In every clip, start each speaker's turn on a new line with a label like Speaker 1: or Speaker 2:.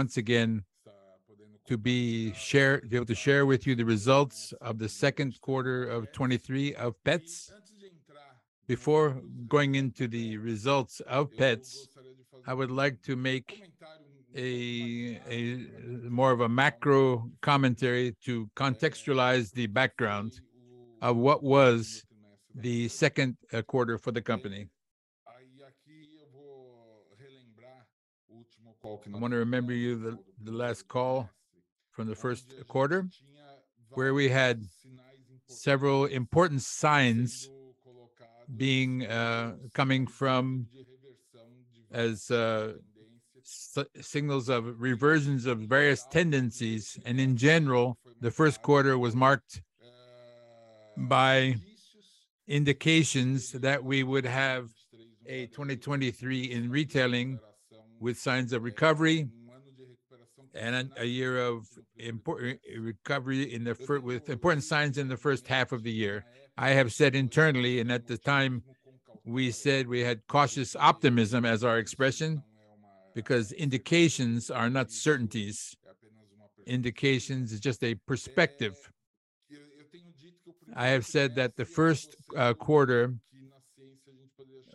Speaker 1: Once again, be able to share with you the results of the second quarter of 2023 of Petz. Before going into the results of Petz, I would like to make a more of a macro commentary to contextualize the background of what was the second quarter for the company. I wanna remember you the last call from the first quarter, where we had several important signs being coming from as signals of reversions of various tendencies. In general, the first quarter was marked by indications that we would have a 2023 in retailing with signs of recovery, a year of important recovery with important signs in the first half of the year. I have said internally, and at the time we said we had cautious optimism as our expression, because indications are not certainties. Indications is just a perspective. I have said that the 1st quarter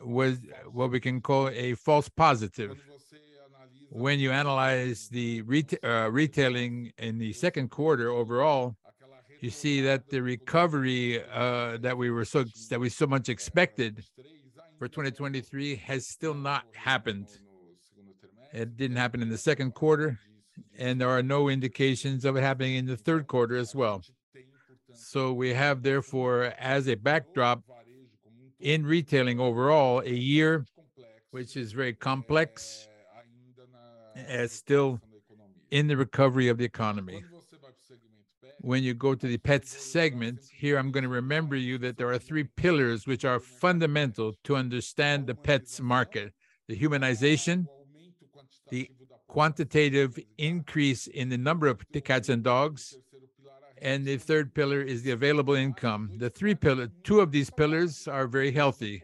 Speaker 1: was what we can call a false positive. When you analyze the retailing in the 2nd quarter overall, you see that the recovery that we were so, that we so much expected for 2023, has still not happened. It didn't happen in the 2nd quarter, and there are no indications of it happening in the 3rd quarter as well. We have therefore, as a backdrop in retailing overall, a year which is very complex, still in the recovery of the economy. When you go to the Petz segment, here I'm gonna remember you that there are 3 pillars which are fundamental to understand the Petz market: the humanization, the quantitative increase in the number of the cats and dogs, and the 3rd pillar is the available income. The 3 pillar. Two of these pillars are very healthy.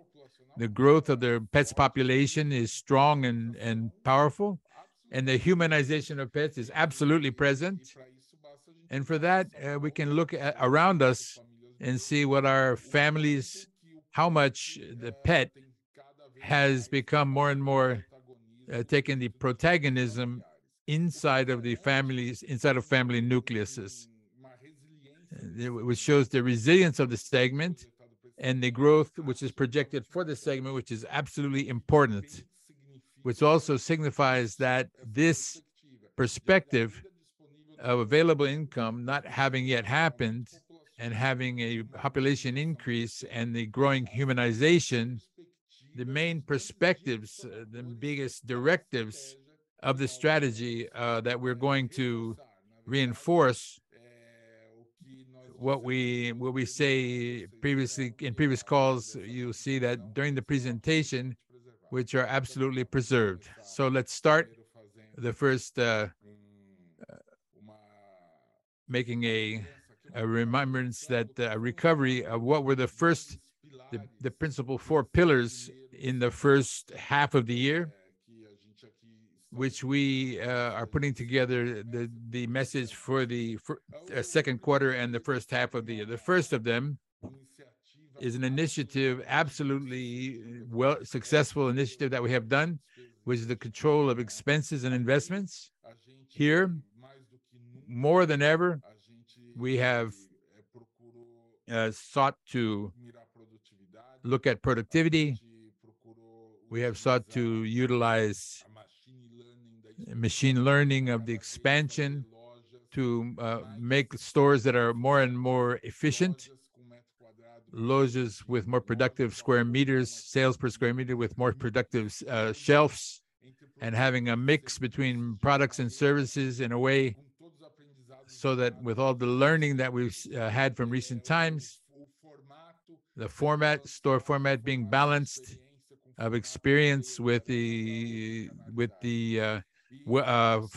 Speaker 1: The growth of the pets population is strong and powerful, the humanization of pets is absolutely present. For that, we can look around us and see what our families... how much the pet has become more and more taking the protagonism inside of the families, inside of family nucleuses. Which shows the resilience of the segment and the growth which is projected for the segment, which is absolutely important. Which also signifies that this perspective of available income not having yet happened, and having a population increase and the growing humanization, the main perspectives, the biggest directives of the strategy that we're going to reinforce what we say previously... in previous calls, you'll see that during the presentation, which are absolutely preserved. Let's start the first, making a remembrance that recovery, what were the first, the principal four pillars in the first half of the year, which we are putting together the message for the second quarter and the first half of the year. The first of them is an initiative, absolutely well successful initiative that we have done, which is the control of expenses and investments. Here, more than ever, we have sought to look at productivity. We have sought to utilize machine learning of the expansion to make stores that are more and more efficient, Lojas with more productive square meters, sales per square meter with more productive shelves, and having a mix between products and services in a way, so that with all the learning that we've had from recent times, the format, store format being balanced of experience with the, with the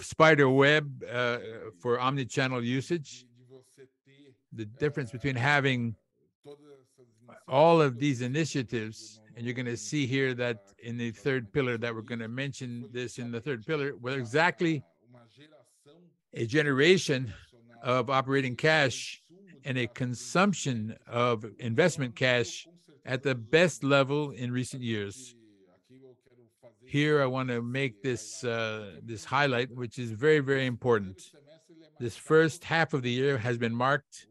Speaker 1: spider web, for omni-channel usage. The difference between having all of these initiatives, and you're gonna see here that in the third pillar, that we're gonna mention this in the third pillar, were exactly a generation of operating cash and a consumption of investment cash at the best level in recent years. Here, I want to make this highlight, which is very, very important. This first half of the year has been marked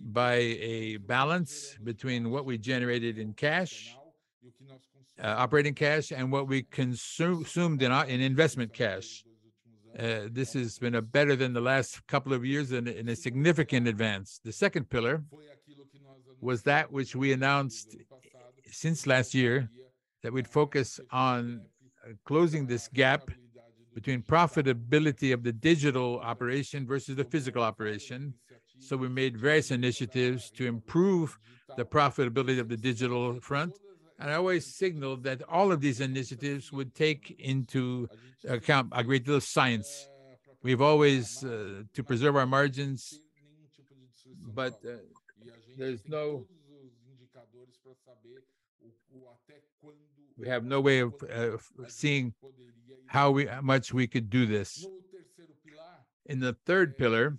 Speaker 1: by a balance between what we generated in cash, operating cash, and what we consumed in our, in investment cash. This has been a better than the last couple of years, and a, and a significant advance. The second pillar was that which we announced since last year, that we'd focus on closing this gap between profitability of the digital operation versus the physical operation. We made various initiatives to improve the profitability of the digital front, and I always signaled that all of these initiatives would take into account a great deal of science. We've always to preserve our margins, but there's we have no way of of seeing how much we could do this. In the third pillar,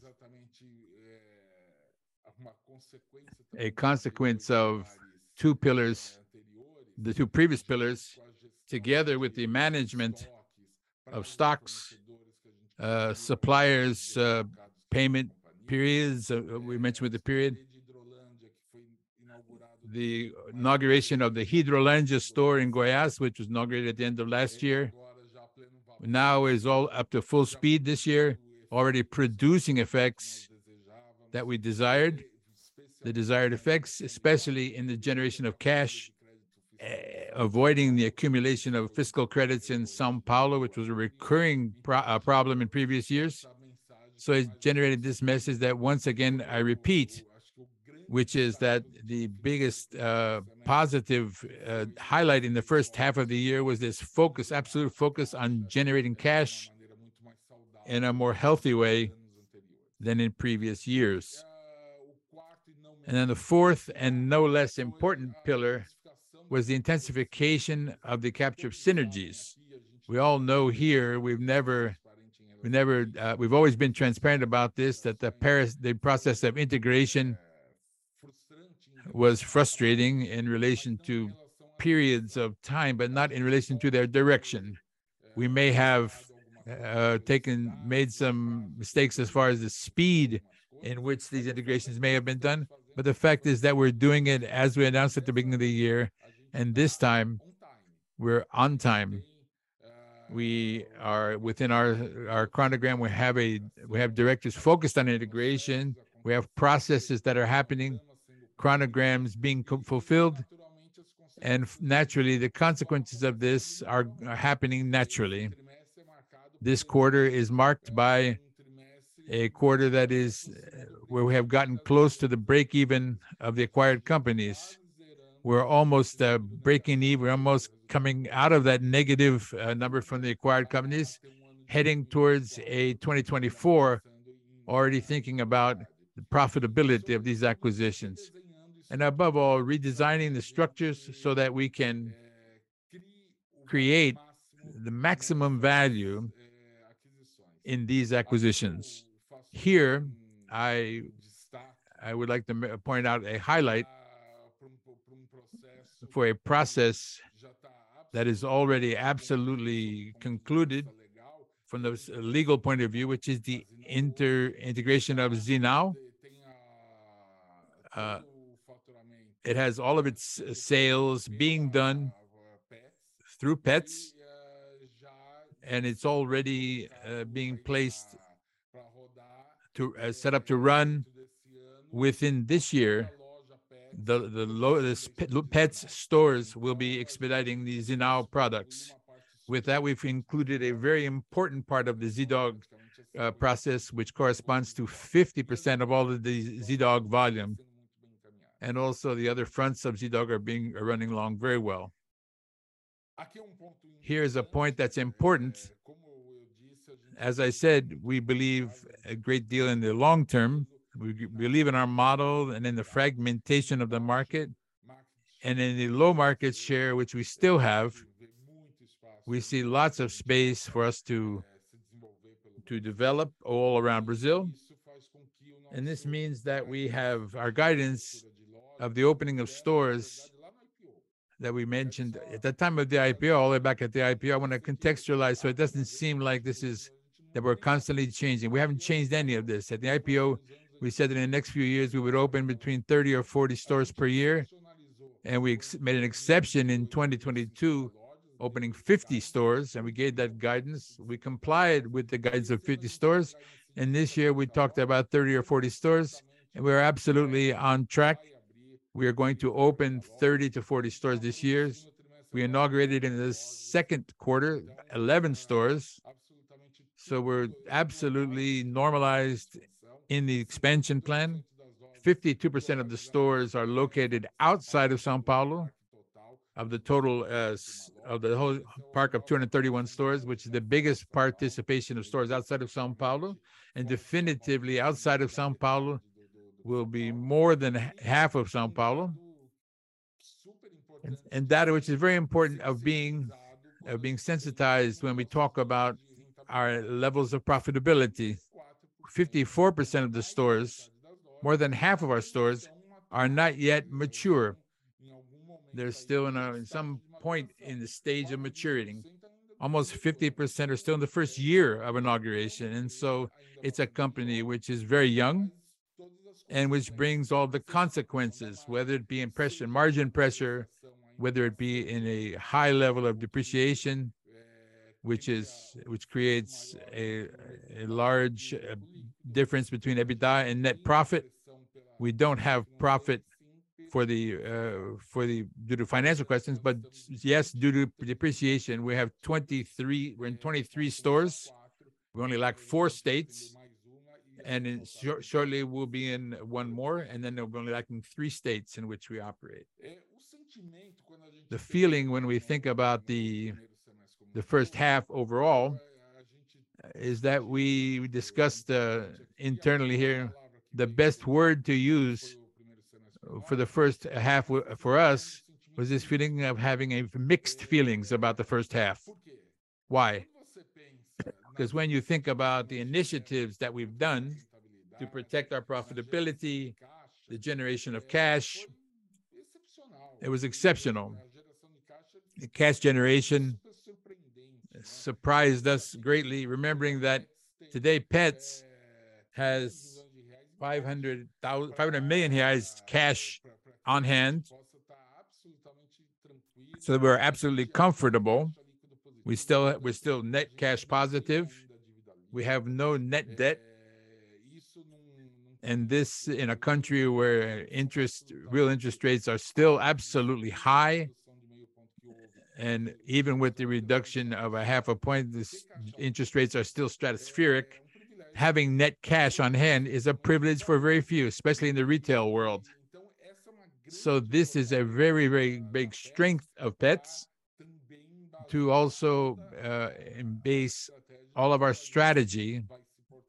Speaker 1: a consequence of two pillars, the two previous pillars, together with the management of stocks, suppliers' payment periods, we mentioned with the period. The inauguration of the Hidrolândia store in Goiás, which was inaugurated at the end of last year, now is all up to full speed this year, already producing effects that we desired. The desired effects, especially in the generation of cash, avoiding the accumulation of fiscal credits in São Paulo, which was a recurring problem in previous years. It generated this message that, once again, I repeat, which is that the biggest positive highlight in the first half of the year was this focus, absolute focus on generating cash in a more healthy way than in previous years. Then the fourth, and no less important pillar, was the intensification of the capture of synergies. We all know here, we've never, we never, we've always been transparent about this, that the process of integration was frustrating in relation to periods of time, but not in relation to their direction. We may have made some mistakes as far as the speed in which these integrations may have been done, but the fact is that we're doing it as we announced at the beginning of the year, and this time we're on time. We are within our, our chronogram. We have directors focused on integration, we have processes that are happening, chronograms being fulfilled, and naturally, the consequences of this are happening naturally. This quarter is marked by a quarter that is, where we have gotten close to the break-even of the acquired companies. We're almost breaking even, we're almost coming out of that negative number from the acquired companies, heading towards a 2024, already thinking about the profitability of these acquisitions. Above all, redesigning the structures so that we can create the maximum value in these acquisitions. Here, I would like to point out a highlight for a process that is already absolutely concluded from the legal point of view, which is the integration of Zee.Now. It has all of its sales being done through Petz, and it's already being placed to... set up to run within this year. The Petz stores will be expediting the Zee.Now products. With that, we've included a very important part of the Zee.Dog process, which corresponds to 50% of all of the Zee.Dog volume, and also the other front subsidies dog are running along very well. Here is a point that's important. As I said, we believe a great deal in the long term. We, we believe in our model and in the fragmentation of the market, and in the low market share, which we still have, we see lots of space for us to, to develop all around Brazil. This means that we have our guidance of the opening of stores that we mentioned at the time of the IPO, all the way back at the IPO. I want to contextualize so it doesn't seem like this is that we're constantly changing. We haven't changed any of this. At the IPO, we said that in the next few years we would open between 30 or 40 stores per year, and we made an exception in 2022, opening 50 stores, and we gave that guidance. We complied with the guides of 50 stores, and this year we talked about 30 or 40 stores, and we're absolutely on track. We are going to open 30 to 40 stores this year. We inaugurated in the second quarter, 11 stores, so we're absolutely normalized in the expansion plan. 52% of the stores are located outside of São Paulo, of the total, of the whole park of 231 stores, which is the biggest participation of stores outside of São Paulo. Definitively, outside of São Paulo will be more than half of São Paulo. Data which is very important of being, of being sensitized when we talk about our levels of profitability. 54% of the stores, more than half of our stores, are not yet mature. They're still in a, in some point in the stage of maturing. Almost 50% are still in the first year of inauguration, and so it's a company which is very young, and which brings all the consequences, whether it be in pressure, margin pressure, whether it be in a high level of depreciation, which creates a large difference between EBITDA and net profit. We don't have profit for the for the due to financial questions, but yes, due to depreciation, we have 23. We're in 23 stores. We only lack four states, and in shortly we'll be in one more, and then we'll be lacking three states in which we operate. The feeling when we think about the first half overall is that we discussed internally here, the best word to use for the first half for us, was this feeling of having a mixed feelings about the first half. Why? 'Cause when you think about the initiatives that we've done to protect our profitability, the generation of cash, it was exceptional. The cash generation surprised us greatly, remembering that today Petz has 500 million cash on hand, so we're absolutely comfortable. We're still net cash positive. We have no net debt, and this in a country where interest, real interest rates are still absolutely high. Even with the reduction of 0.5 point, the interest rates are still stratospheric. Having net cash on hand is a privilege for very few, especially in the retail world. This is a very, very big strength of Petz to also embase all of our strategy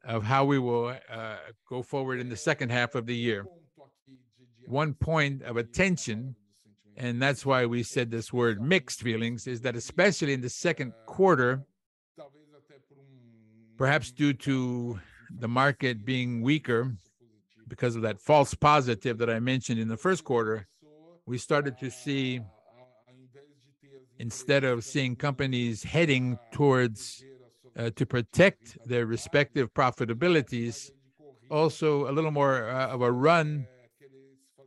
Speaker 1: of how we will go forward in the second half of the year. One point of attention, and that's why we said this word, "mixed feelings," is that especially in the second quarter, perhaps due to the market being weaker because of that false positive that I mentioned in the first quarter, we started to see Instead of seeing companies heading towards to protect their respective profitabilities, also a little more of a run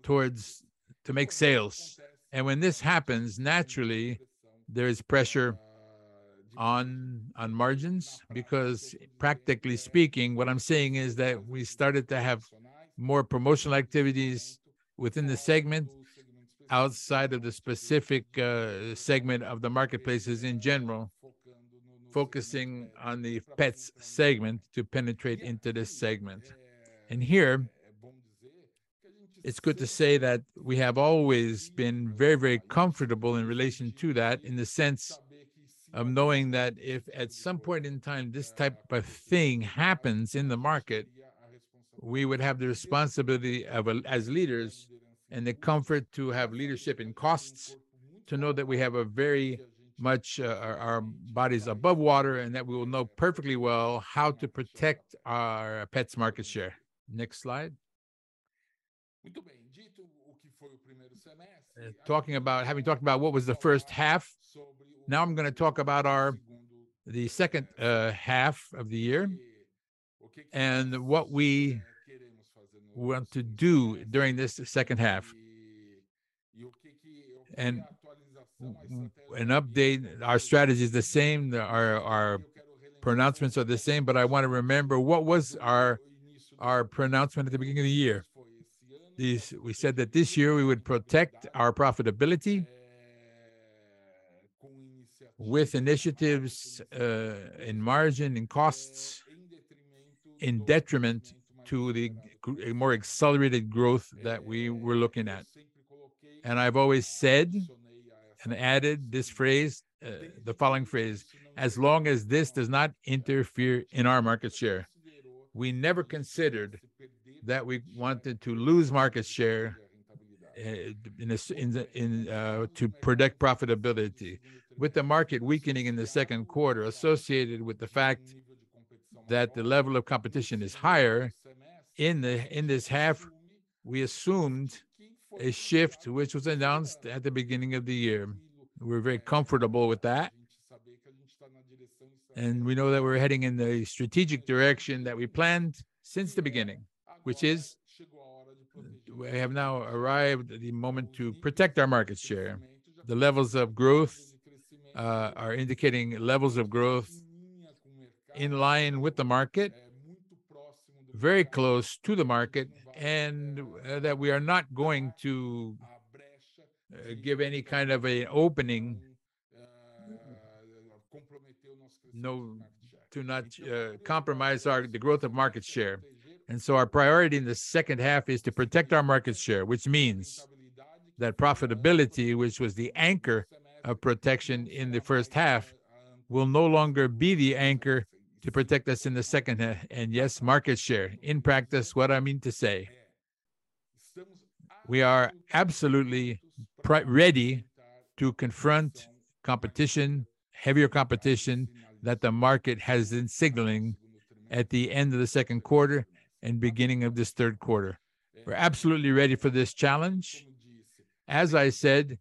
Speaker 1: towards to make sales. When this happens, naturally there is pressure on, on margins, because practically speaking, what I'm saying is that we started to have more promotional activities within the segment, outside of the specific segment of the marketplaces in general, focusing on the Petz segment to penetrate into this segment. Here, it's good to say that we have always been very, very comfortable in relation to that, in the sense of knowing that if at some point in time this type of thing happens in the market, we would have the responsibility as leaders, and the comfort to have leadership in costs, to know that we have a very much, our, our body's above water, and that we will know perfectly well how to protect our Petz market share. Next slide. Talking about, having talked about what was the first half, now I'm gonna talk about the second half of the year, and what we want to do during this second half. Update our strategy is the same. Our, our pronouncements are the same, but I want to remember what was our, our pronouncement at the beginning of the year. This, we said that this year we would protect our profitability, with initiatives, in margin, in costs, in detriment to the a more accelerated growth that we were looking at. I've always said and added this phrase, the following phrase: as long as this does not interfere in our market share. We never considered that we wanted to lose market share, in a in the, in, to protect profitability. With the market weakening in the second quarter, associated with the fact that the level of competition is higher in the, in this half, we assumed a shift which was announced at the beginning of the year. We're very comfortable with that, and we know that we're heading in the strategic direction that we planned since the beginning, which is. We have now arrived at the moment to protect our market share. The levels of growth are indicating levels of growth in line with the market, very close to the market, and that we are not going to give any kind of a opening, no, to not compromise our, the growth of market share. Our priority in the second half is to protect our market share, which means that profitability, which was the anchor of protection in the first half, will no longer be the anchor to protect us in the second. Yes, market share. In practice, what I mean to say, we are absolutely ready to confront competition, heavier competition, that the market has been signaling at the end of the second quarter and beginning of this third quarter. We're absolutely ready for this challenge. As I said,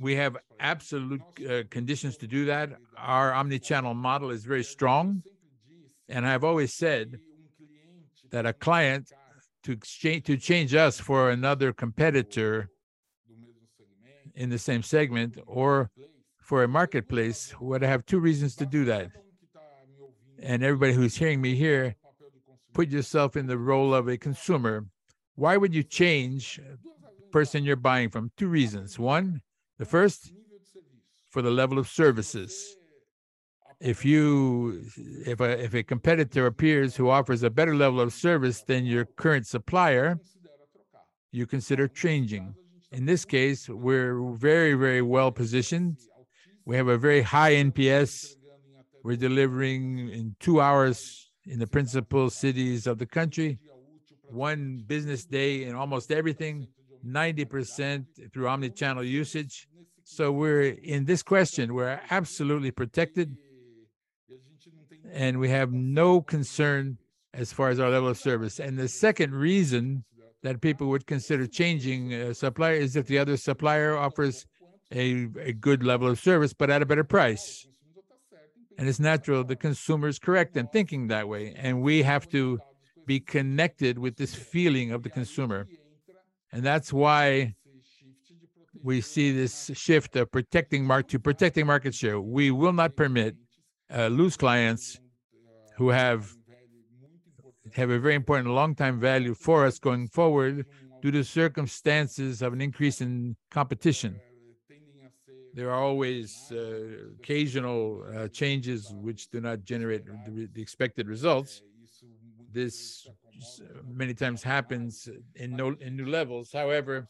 Speaker 1: we have absolute conditions to do that. Our omni-channel model is very strong. I've always said that a client, to change us for another competitor in the same segment or for a marketplace, would have two reasons to do that. Everybody who's hearing me here, put yourself in the role of a consumer. Why would you change the person you're buying from? 2 reasons. 1, for the level of services. If a competitor appears who offers a better level of service than your current supplier, you consider changing? In this case, we're very, very well positioned. We have a very high NPS. We're delivering in 2 hours in the principal cities of the country, 1 business day in almost everything, 90% through omni-channel usage. We're, in this question, we're absolutely protected, and we have no concern as far as our level of service. The second reason that people would consider changing a supplier is if the other supplier offers a good level of service, but at a better price. It's natural, the consumer's correct in thinking that way, and we have to be connected with this feeling of the consumer. That's why we see this shift of protecting to protecting market share. We will not permit loose clients who have a very important long-term value for us going forward, due to circumstances of an increase in competition. There are always occasional changes which do not generate the expected results. This many times happens in new levels, however,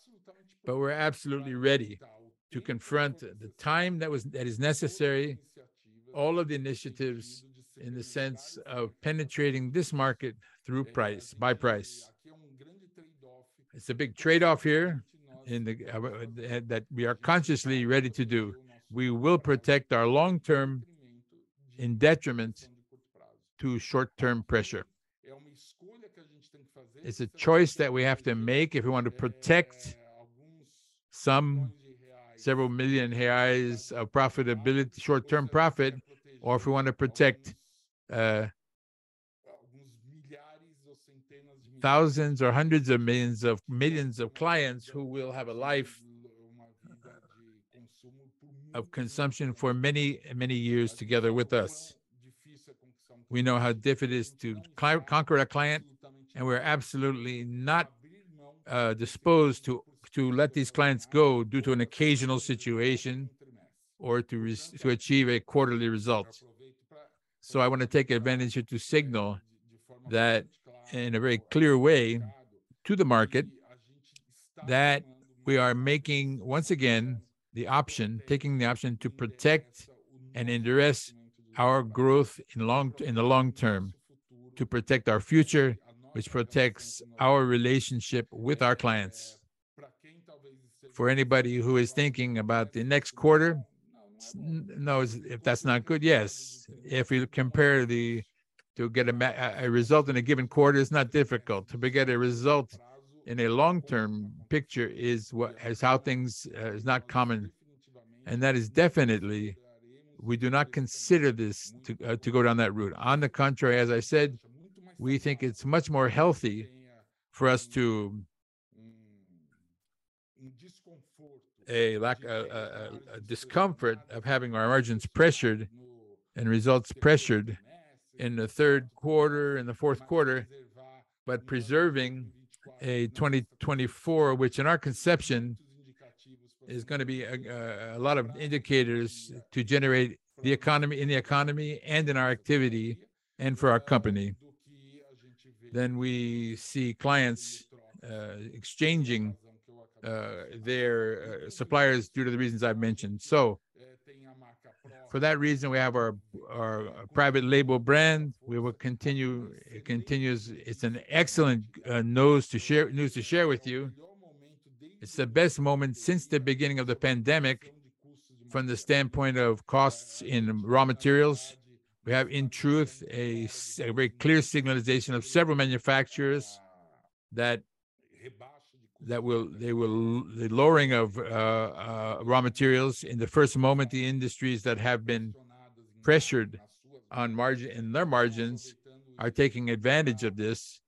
Speaker 1: but we're absolutely ready to confront the time that is necessary, all of the initiatives in the sense of penetrating this market through price, by price. It's a big trade-off here that we are consciously ready to do. We will protect our long term in detriment to short-term pressure. It's a choice that we have to make if we want to protect some several million BRL of profitability, short-term profit, or if we want to protect, thousands or hundreds of millions of millions of clients who will have a life of consumption for many, many years together with us. We know how difficult it is to conquer a client, and we're absolutely not, disposed to, to let these clients go due to an occasional situation or to achieve a quarterly result. I want to take advantage here to signal that, in a very clear way to the market, that we are making, once again, the option, taking the option to protect and endorse our growth in the long term, to protect our future, which protects our relationship with our clients. For anybody who is thinking about the next quarter, no, if that's not good? Yes. If we compare the to get a result in a given quarter, it's not difficult. To get a result in a long-term picture is what- is how things is not common, and that is definitely we do not consider this to go down that route. On the contrary, as I said, we think it's much more healthy for us to a lack, a discomfort of having our margins pressured and results pressured in the third quarter and the fourth quarter, but preserving a 2024, which in our conception, is gonna be a lot of indicators to generate the economy, in the economy and in our activity and for our company. We see clients exchanging their suppliers due to the reasons I've mentioned. For that reason, we have our private label brand. We will continue. It continues. It's an excellent news to share, news to share with you. It's the best moment since the beginning of the pandemic from the standpoint of costs in raw materials. We have, in truth, a very clear signalization of several manufacturers that the lowering of raw materials. In the first moment, the industries that have been pressured on margin, in their margins, are taking advantage of this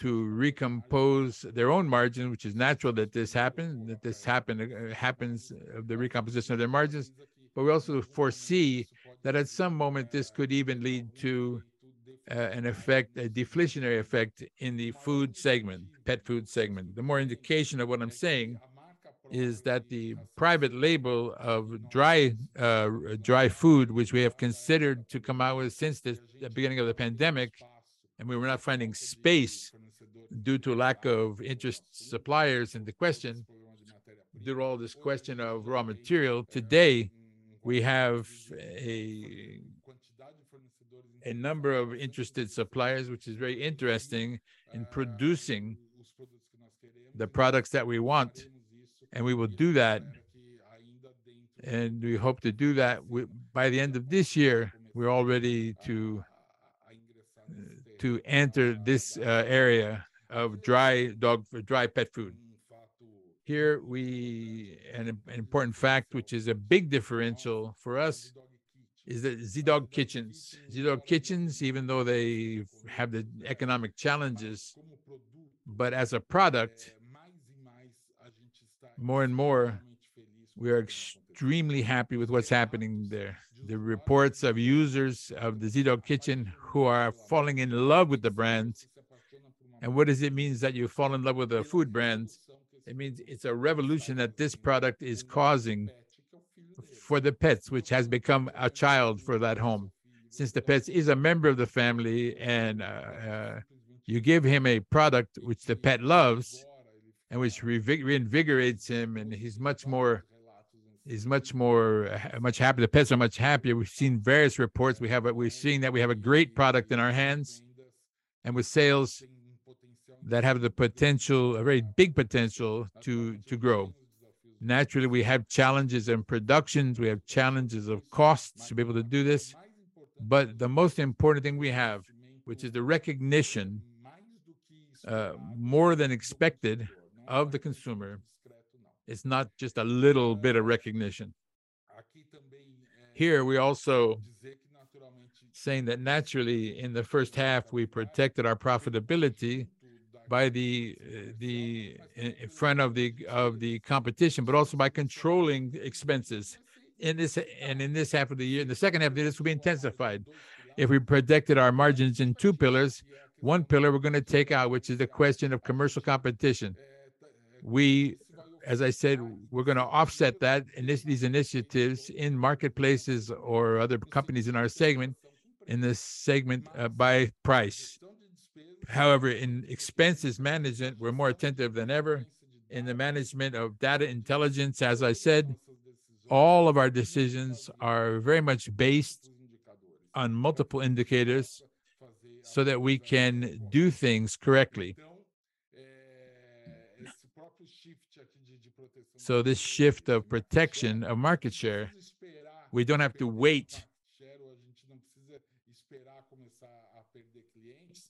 Speaker 1: to recompose their own margin, which is natural that this happens, the recomposition of their margins. We also foresee that at some moment this could even lead to an effect, a deflationary effect in the food segment, pet food segment. The more indication of what I'm saying is that the private label of dry, dry food, which we have considered to come out with since the, the beginning of the pandemic, and we were not finding space due to lack of interest suppliers in the question, through all this question of raw material. Today, we have a number of interested suppliers, which is very interesting, in producing the products that we want, and we will do that. We hope to do that by the end of this year, we're all ready to enter this area of dry dog, dry pet food. Here, we. An important fact, which is a big differential for us, is the Zee.Dog Kitchens. Zee.Dog Kitchens, even though they have the economic challenges, but as a product, more and more we are extremely happy with what's happening there. The reports of users of the Zee.Dog Kitchen who are falling in love with the brands... What does it mean that you fall in love with the food brands? It means it's a revolution that this product is causing for the pets, which has become a child for that home. Since the pet is a member of the family and you give him a product which the pet loves, and which reinvigorates him, and he's much more, he's much more, much happy. The pets are much happier. We've seen various reports. We have we're seeing that we have a great product in our hands, and with sales that have the potential, a very big potential, to grow. Naturally, we have challenges in productions, we have challenges of costs to be able to do this, but the most important thing we have, which is the recognition, more than expected of the consumer, it's not just a little bit of recognition. Here, we're also saying that naturally, in the first half, we protected our profitability by the in front of the competition, but also by controlling expenses. In this, in this half of the year, the second half of the year, this will be intensified. If we protected our margins in 2 pillars, 1 pillar we're gonna take out, which is the question of commercial competition. We, as I said, we're gonna offset that initiatives in marketplaces or other companies in our segment, in this segment, by price. In expenses management, we're more attentive than ever. In the management of data intelligence, as I said, all of our decisions are very much based on multiple indicators, so that we can do things correctly. This shift of protection of market share, we don't have to wait.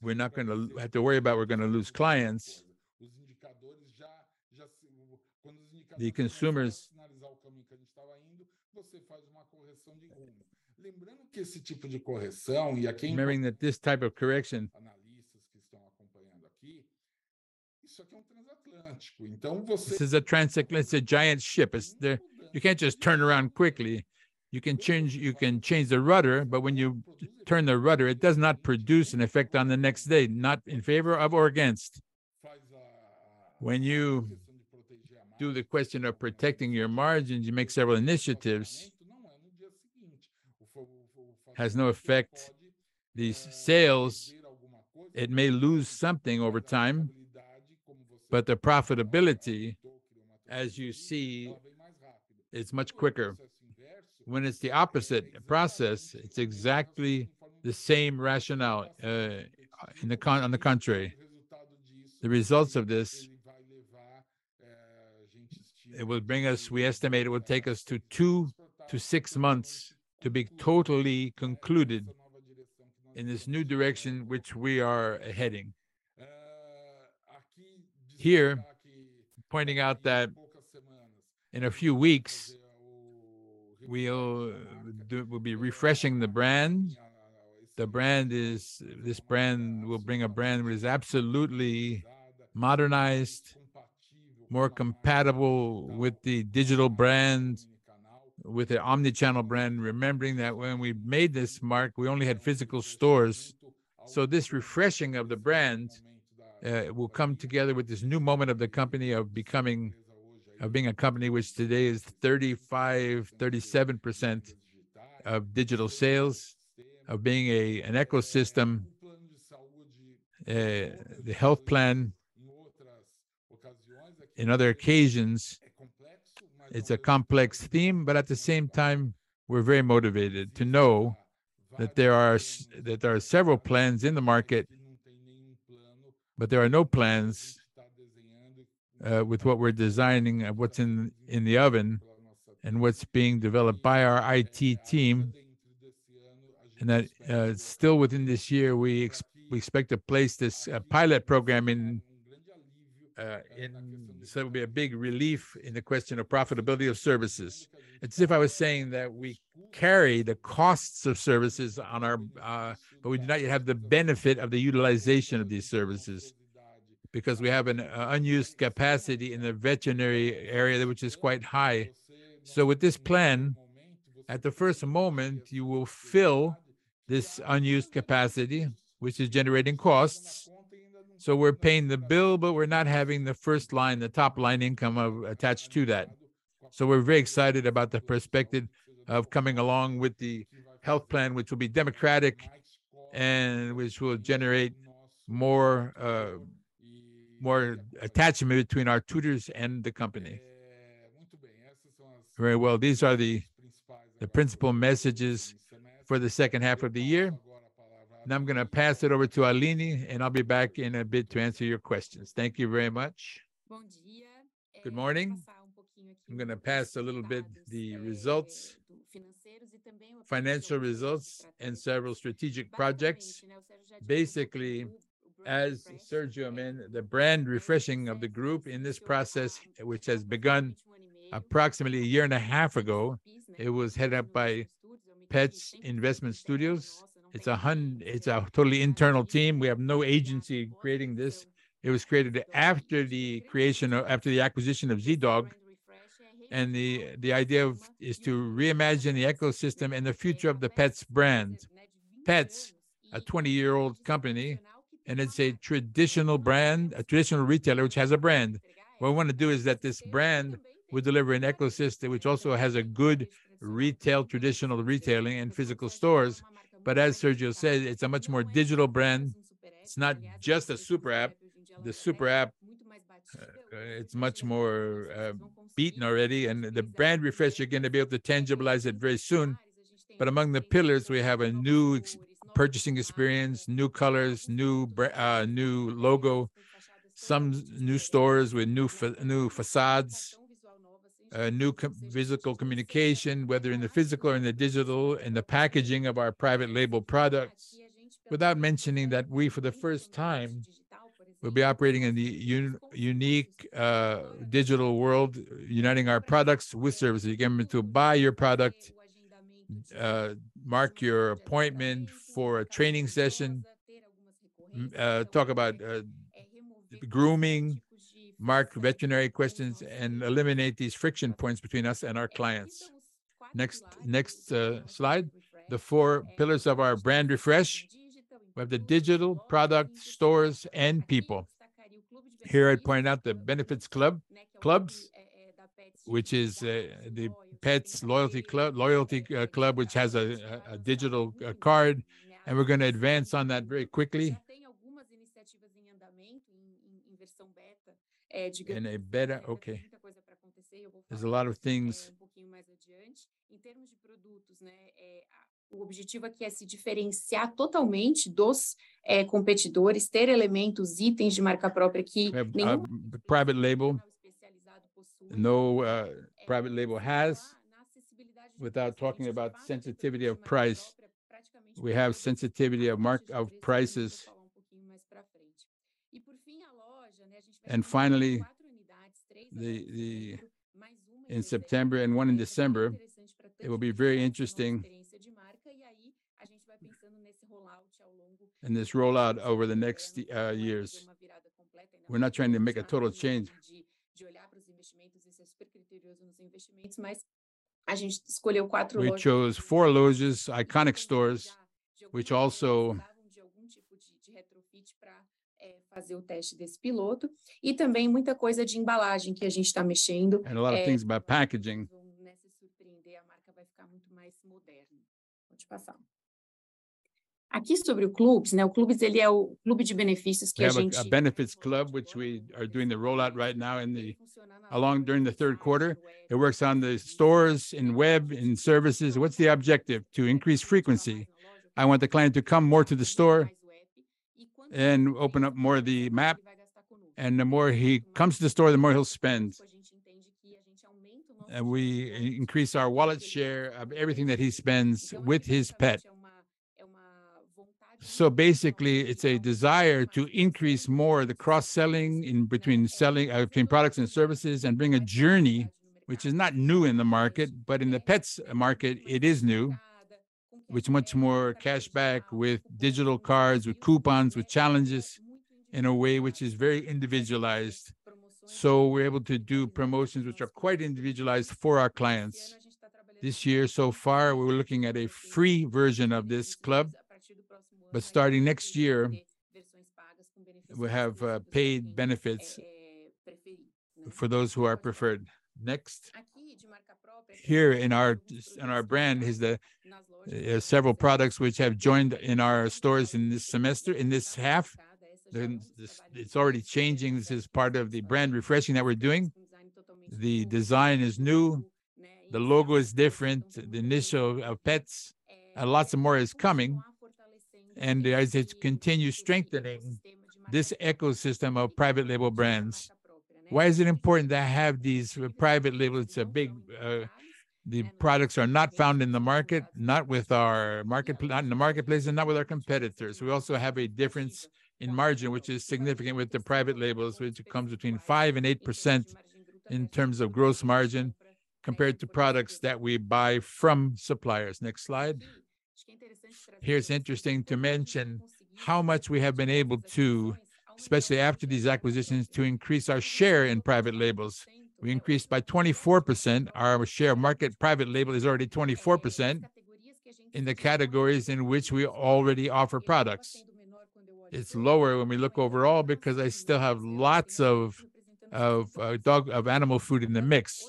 Speaker 1: We're not gonna have to worry about we're gonna lose clients. The consumers... Remembering that this type of correction... This is a transatlantic, it's a giant ship. It's the... You can't just turn around quickly. You can change, you can change the rudder, when you turn the rudder, it does not produce an effect on the next day, not in favor of or against. When you do the question of protecting your margins, you make several initiatives. Has no effect, these sales, it may lose something over time, but the profitability, as you see, is much quicker. When it's the opposite process, it's exactly the same rationale, on the contrary. The results of this, it will bring us. We estimate it will take us to 2-6 months to be totally concluded in this new direction which we are heading. Here, pointing out that in a few weeks, we'll, we'll be refreshing the brand. The brand is. This brand, we'll bring a brand that is absolutely modernized, more compatible with the digital brand, with a omni-channel brand. Remembering that when we made this mark, we only had physical stores, so this refreshing of the brand, will come together with this new moment of the company of becoming, of being a company which today is 35%-37% of digital sales, of being an ecosystem. The health plan, in other occasions, it's a complex theme, but at the same time, we're very motivated to know that there are that there are several plans in the market, but there are no plans, with what we're designing and what's in, in the oven, and what's being developed by our IT team. That, still within this year, we expect to place this pilot program in. It'll be a big relief in the question of profitability of services. It's as if I was saying that we carry the costs of services on our... We do not yet have the benefit of the utilization of these services, because we have an unused capacity in the veterinary area, which is quite high. With this plan, at the first moment, you will fill this unused capacity, which is generating costs. We're paying the bill, but we're not having the first line, the top line income, attached to that. We're very excited about the perspective of coming along with the health plan, which will be democratic, and which will generate more, more attachment between our tutors and the company. Very well, these are the principal messages for the second half of the year. I'm gonna pass it over to Aline, and I'll be back in a bit to answer your questions.
Speaker 2: Thank you very much. Good morning. I'm gonna pass a little bit the results, financial results and several strategic projects. Basically, as Sergio mentioned, the brand refreshing of the group in this process, which has begun approximately a year and a half ago, it was headed up by Petz Innovation Studios. It's a totally internal team. We have no agency creating this. It was created after the acquisition of Zee.Dog, and the, the idea of, is to reimagine the ecosystem and the future of the Petz brand. A 20-year-old company, it's a traditional brand, a traditional retailer which has a brand. What we wanna do is that this brand will deliver an ecosystem which also has a good retail, traditional retailing, and physical stores. As Sergio said, it's a much more digital brand. It's not just a super app. The super app, it's much more beaten already, and the brand refresh, you're gonna be able to tangibilize it very soon. Among the pillars, we have a new purchasing experience, new colors, new logo, some new stores with new facades, a new physical communication, whether in the physical or in the digital, in the packaging of our private label products, without mentioning that we, for the first time, will be operating in the unique digital world, uniting our products with services. You're going to buy your product, mark your appointment for a training session, talk about grooming, mark veterinary questions, and eliminate these friction points between us and our clients. Next, next slide. The four pillars of our brand refresh: we have the digital product stores and people. Here, I'd point out the benefits club clubs, which is the Petz Loyalty Club, Loyalty Club, which has a digital card. We're gonna advance on that very quickly. In a better. Okay. There's a lot of things. The private label. No, private label has, without talking about sensitivity of price, we have sensitivity of prices. Finally, in September and one in December, it will be very interesting. This rollout over the next years. We're not trying to make a total change. We chose 4 Lojas, iconic stores, which also. A lot of things about packaging. We have a benefits club, which we are doing the rollout right now along during the third quarter. It works on the stores, in web, in services. What's the objective? To increase frequency. I want the client to come more to the store and open up more of the app, and the more he comes to the store, the more he'll spend. We increase our wallet share of everything that he spends with his pet. Basically, it's a desire to increase more the cross-selling in between selling, between products and services, and bring a journey which is not new in the market, but in the pets market, it is new, with much more cashback, with digital cards, with coupons, with challenges, in a way which is very individualized. We're able to do promotions which are quite individualized for our clients. This year so far, we were looking at a free version of this club, starting next year, we have, paid benefits for those who are preferred. Next. Here in our, in our brand is the, several products which have joined in our stores in this semester, in this half, and this, it's already changing. This is part of the brand refreshing that we're doing. The design is new, the logo is different, the initial of Petz. Lots of more is coming, as it continues strengthening this ecosystem of private label brands. Why is it important to have these private label? It's a big... The products are not found in the market, not with our not in the marketplace and not with our competitors. We also have a difference in margin, which is significant with the private labels, which comes between 5%-8% in terms of gross margin, compared to products that we buy from suppliers. Next slide. Here's interesting to mention how much we have been able to, especially after these acquisitions, to increase our share in private labels. We increased by 24%. Our share of market private label is already 24% in the categories in which we already offer products. It's lower when we look overall because I still have lots of, of animal food in the mix.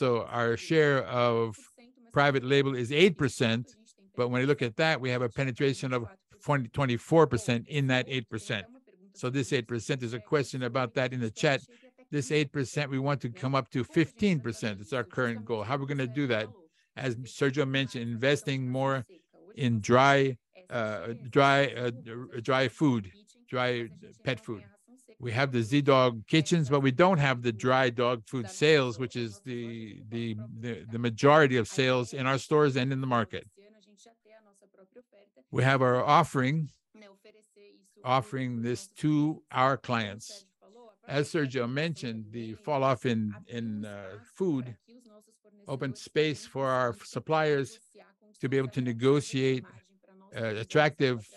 Speaker 2: Our share of private label is 8%, but when we look at that, we have a penetration of 24% in that 8%. This 8%, there's a question about that in the chat. This 8%, we want to come up to 15%. It's our current goal. How are we gonna do that? As Sergio mentioned, investing more in dry, dry food, dry pet food. We have the Zee.Dog Kitchens, but we don't have the dry dog food sales, which is the majority of sales in our stores and in the market. We have our offerings, offering this to our clients. As Sergio mentioned, the fall-off in, in food opened space for our suppliers to be able to negotiate attractive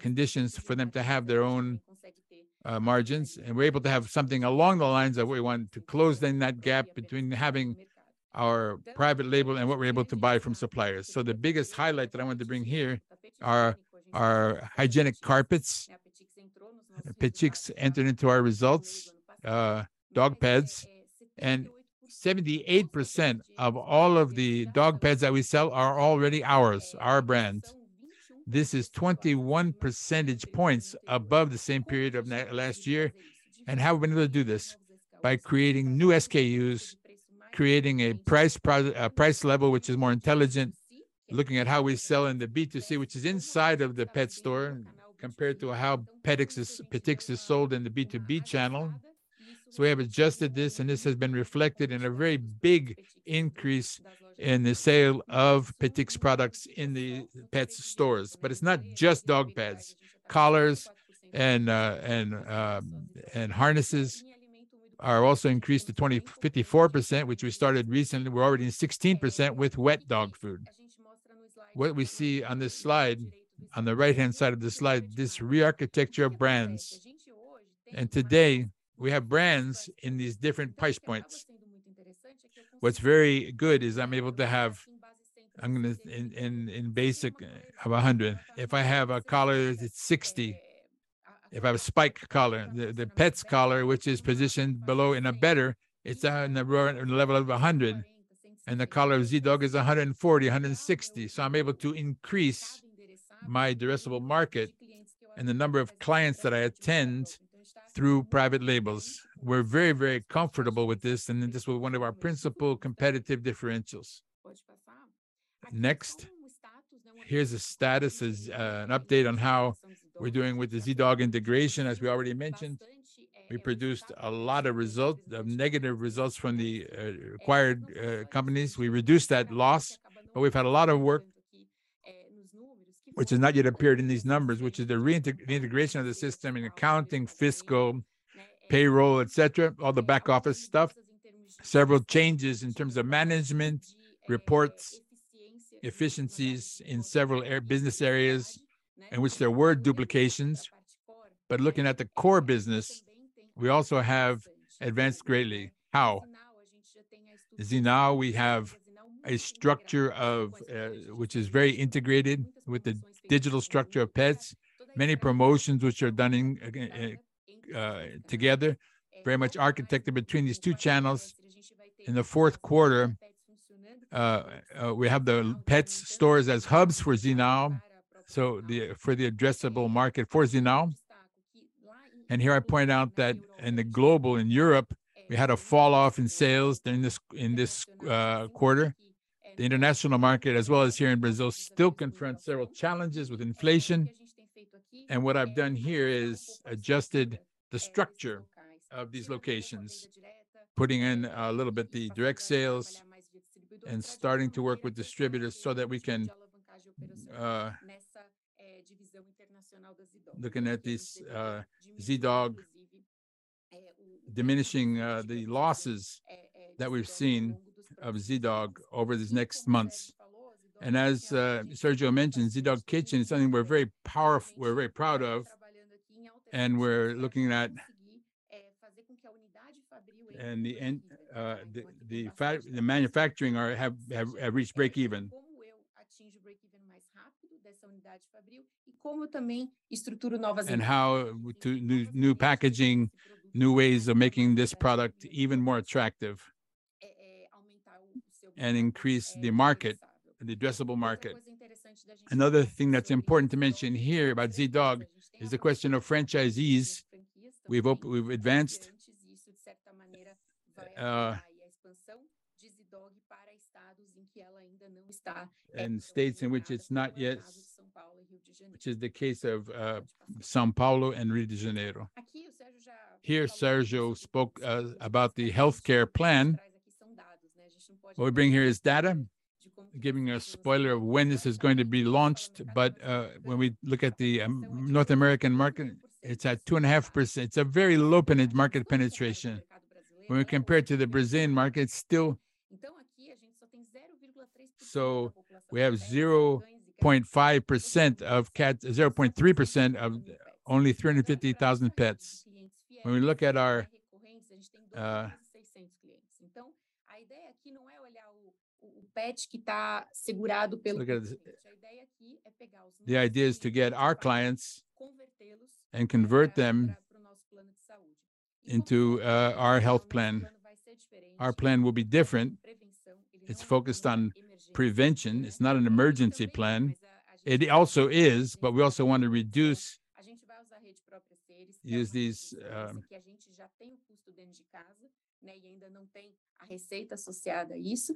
Speaker 2: conditions for them to have their own margins, and we're able to have something along the lines that we want to close then that gap between having our private label and what we're able to buy from suppliers. The biggest highlight that I want to bring here are, are hygienic carpets. Petix entered into our results, dog pads, and 78% of all of the dog pads that we sell are already ours, our brand. This is 21 percentage points above the same period of last year. How we've been able to do this? By creating new SKUs, creating a price level which is more intelligent, looking at how we sell in the B2C, which is inside of the pets store, compared to how Petix is, Petix is sold in the B2B channel. We have adjusted this, and this has been reflected in a very big increase in the sale of Petix products in the pets stores. It's not just dog pads. Collars and harnesses are also increased to 20%-54%, which we started recently. We're already in 16% with wet dog food. What we see on this slide, on the right-hand side of the slide, this rearchitecture of brands, and today we have brands in these different price points. What's very good is I'm able to have. I'm gonna in basic, have 100. If I have a collar, that's 60. If I have a Spike collar, the, the Petz collar, which is positioned below in a better, it's in the level of 100, and the collar of Zee.Dog is 140, 160. I'm able to increase my addressable market and the number of clients that I attend through private labels. We're very, very comfortable with this. This was one of our principal competitive differentials. Next, here's a status, is an update on how we're doing with the Zee.Dog integration. As we already mentioned, we produced a lot of results, of negative results from the acquired companies. We reduced that loss. We've had a lot of work, which has not yet appeared in these numbers, which is the integration of the system in accounting, fiscal, payroll, et cetera, all the back office stuff. Several changes in terms of management, reports, efficiencies in several business areas in which there were duplications. Looking at the core business, we also have advanced greatly. How? Zee.Now we have a structure of which is very integrated with the digital structure of Petz. Many promotions which are done in together, very much architected between these two channels. In the fourth quarter, we have the Petz stores as hubs for Zee.Now, for the addressable market for Zee.Now. Here I point out that in the global, in Europe, we had a falloff in sales during this, in this quarter. The international market, as well as here in Brazil, still confronts several challenges with inflation. What I've done here is adjusted the structure of these locations, putting in a little bit the direct sales and starting to work with distributors so that we can. Looking at this Zee.Dog, diminishing the losses that we've seen of Zee.Dog over these next months. As Sergio mentioned, Zee.Dog Kitchen is something we're very powerf- we're very proud of, and we're looking at. The end, the fact, the manufacturing are, have, have, have reached breakeven. How to new, new packaging, new ways of making this product even more attractive, and increase the market, the addressable market. Another thing that's important to mention here about Zee.Dog is the question of franchisees. We've advanced in states in which it's not yet, which is the case of São Paulo and Rio de Janeiro. Here, Sergio spoke about the healthcare plan. What we bring here is data, giving a spoiler of when this is going to be launched. When we look at the North American market, it's at 2.5%. It's a very low market penetration. When we compare it to the Brazilian market, it's still- We have 0.5% of cat- 0.3% of only 350,000 pets. When we look at our. Look at the, the idea is to get our clients. Convert them. And convert them. Into Zee.Dog's health plan. Into, our health plan. Our plan will be different. Prevention. It's focused on prevention, it's not an emergency plan. It also is, but we also want to reduce. Agency. Use these. Agency that has the cost within the house, and does not yet have a revenue associated with it.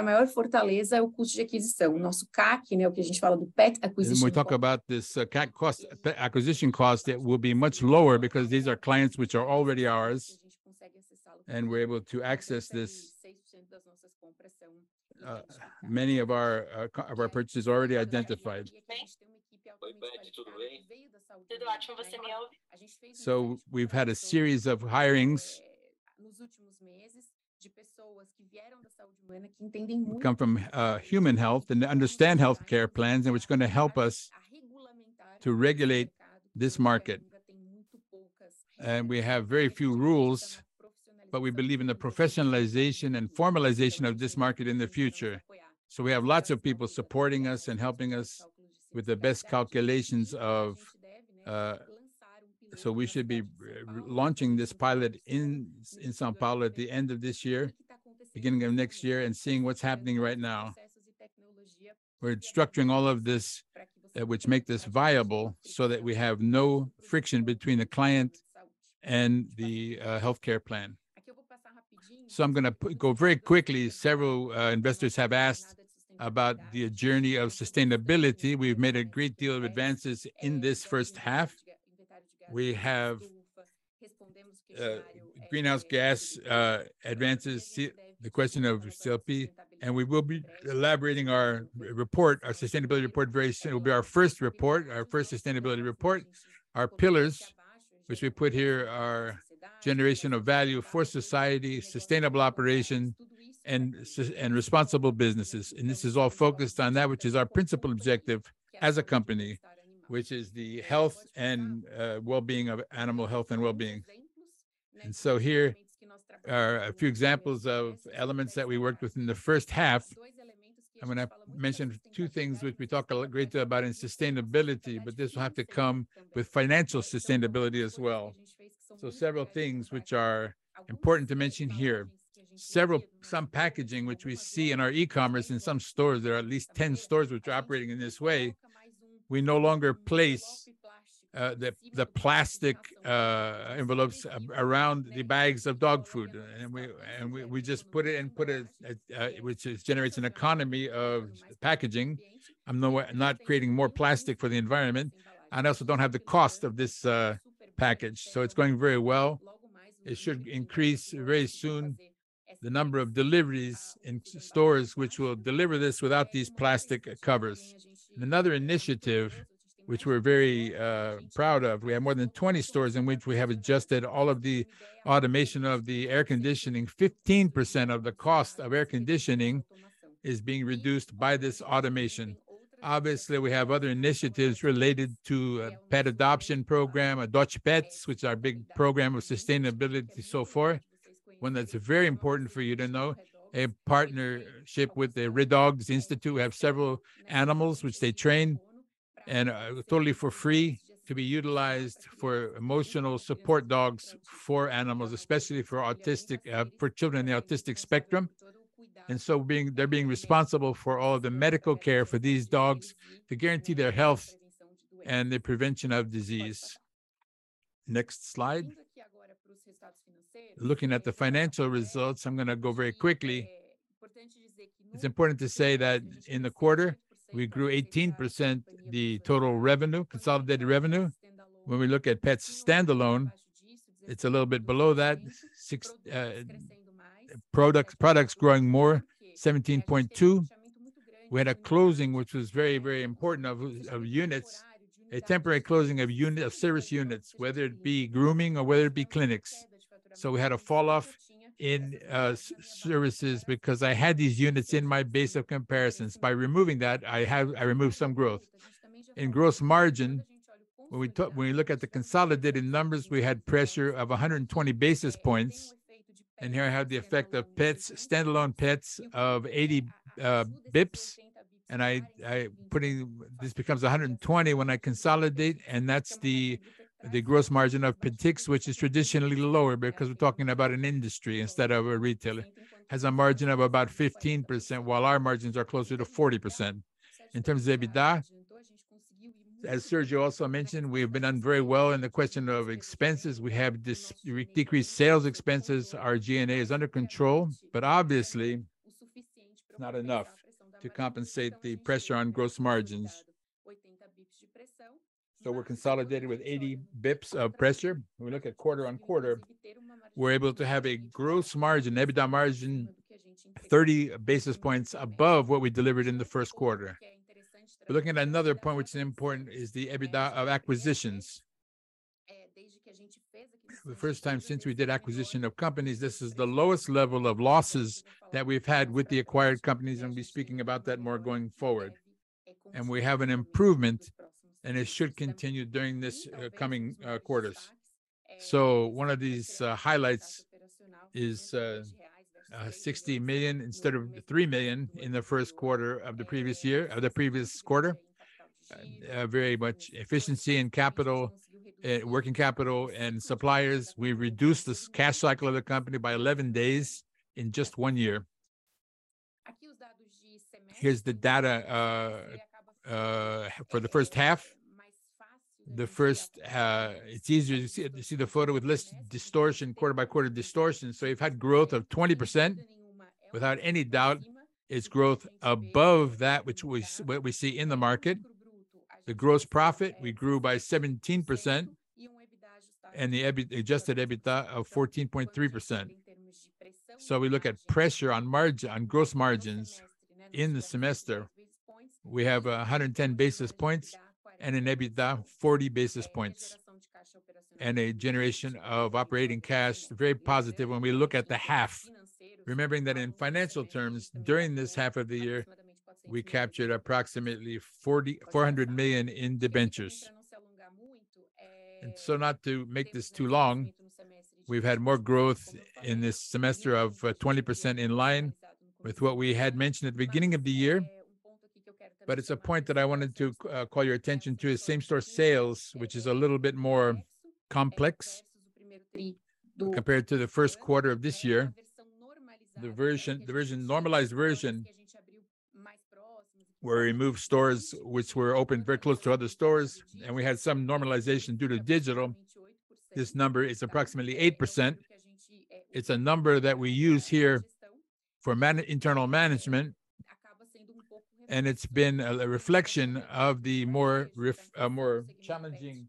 Speaker 2: I would say that our greatest strength is the cost of acquisition, our CAC, which we talk about with pet acquisition. When we talk about this, CAC cost, acquisition cost, it will be much lower because these are clients which are already ours. Agency. And we're able to access this. Pressing. Many of our, of our purchase is already identified. We've had a series of hirings. In the last few months, of people. Who come from human health and they understand healthcare plans, which is going to help us to regulate this market. We have very few rules, but we believe in the professionalization and formalization of this market in the future. We have lots of people supporting us and helping us with the best calculations of... We should be launching this pilot in São Paulo at the end of this year, beginning of next year, and seeing what's happening right now. We are structuring all of this, which make this viable, so that we have no friction between the client and the healthcare plan. I am going to go very quickly. Several investors have asked about the journey of sustainability. We have made a great deal of advances in this first half. We have greenhouse gas advances, the question of GEE. We will be elaborating our report, our sustainability report, very soon. It will be our first report, our first sustainability report. Our pillars, which we put here, are generation of value for society, sustainable operation, and responsible businesses. This is all focused on that, which is our principal objective as a company, which is the health and animal health and wellbeing. Here are a few examples of elements that we worked with in the first half. I'm gonna mention two things which we talked a great deal about in sustainability, but this will have to come with financial sustainability as well. Several things which are important to mention here. Several- some packaging, which we see in our e-commerce in some stores, there are at least 10 stores which are operating in this way. We no longer place the, the plastic envelopes a- around the bags of dog food, and we, and we, we just put it in, put it, which is generates an economy of packaging, no way- not creating more plastic for the environment, also don't have the cost of this package. It's going very well. It should increase very soon the number of deliveries in stores which will deliver this without these plastic covers. Another initiative which we're very proud of, we have more than 20 stores in which we have adjusted all of the automation of the air conditioning. 15% of the cost of air conditioning is being reduced by this automation. Obviously, we have other initiatives related to a pet adoption program, Adote Petz, which is our big program of sustainability so far. One that's very important for you to know, a partnership with the Re-Dogs Instituto. We have several animals which they train, totally for free, to be utilized for emotional support dogs for animals, especially for autistic, for children in the autistic spectrum. They're being responsible for all the medical care for these dogs, to guarantee their health and the prevention of disease. Next slide. Looking at the financial results, I'm gonna go very quickly. It's important to say that in the quarter, we grew 18% the total revenue, consolidated revenue. When we look at Petz standalone, it's a little bit below that. Products, products growing more, 17.2%. We had a closing, which was very, very important, of units, a temporary closing of service units, whether it be grooming or whether it be clinics. We had a falloff in services because I had these units in my base of comparisons. By removing that, I removed some growth. In gross margin, when we look at the consolidated numbers, we had pressure of 120 basis points, and here I have the effect of Petz, standalone Petz of 80 bips, and I, this becomes 120 when I consolidate, and that's the gross margin of Petix, which is traditionally lower because we're talking about an industry instead of a retailer. Has a margin of about 15%, while our margins are closer to 40%. In terms of EBITDA, as Sergio also mentioned, we have been doing very well in the question of expenses. We have decreased sales expenses. Our G&A is under control, obviously it's not enough to compensate the pressure on gross margins. We're consolidated with 80 bips of pressure. When we look at quarter-on-quarter, we're able to have a gross margin, an EBITDA margin 30 basis points above what we delivered in the first quarter. We're looking at another point which is important, is the EBITDA of acquisitions. The first time since we did acquisition of companies, this is the lowest level of losses that we've had with the acquired companies, we'll be speaking about that more going forward. We have an improvement, and it should continue during this coming quarters. One of these highlights is 60 million instead of 3 million in the first quarter of the previous year... of the previous quarter. Very much efficiency in capital, working capital and suppliers. We've reduced the cash cycle of the company by 11 days in just 1 year. Here's the data for the first half. The first. It's easier to see, to see the photo with less distortion, quarter-by-quarter distortion. We've had growth of 20%. Without any doubt, it's growth above that which we see in the market. The gross profit, we grew by 17%, and the adjusted EBITDA of 14.3%. We look at pressure on margin, on gross margins in the semester, we have 110 basis points, and in EBITDA, 40 basis points. A generation of operating cash, very positive when we look at the half. Remembering that in financial terms, during this half of the year, we captured approximately 4,400 million in debentures. Not to make this too long, we've had more growth in this semester of 20%, in line with what we had mentioned at the beginning of the year. It's a point that I wanted to call your attention to, is same-store sales, which is a little bit more complex compared to the first quarter of this year. The version, the version, normalized version, where we removed stores which were opened very close to other stores, and we had some normalization due to digital, this number is approximately 8%. It's a number that we use here for internal management. It's been a reflection of the more challenging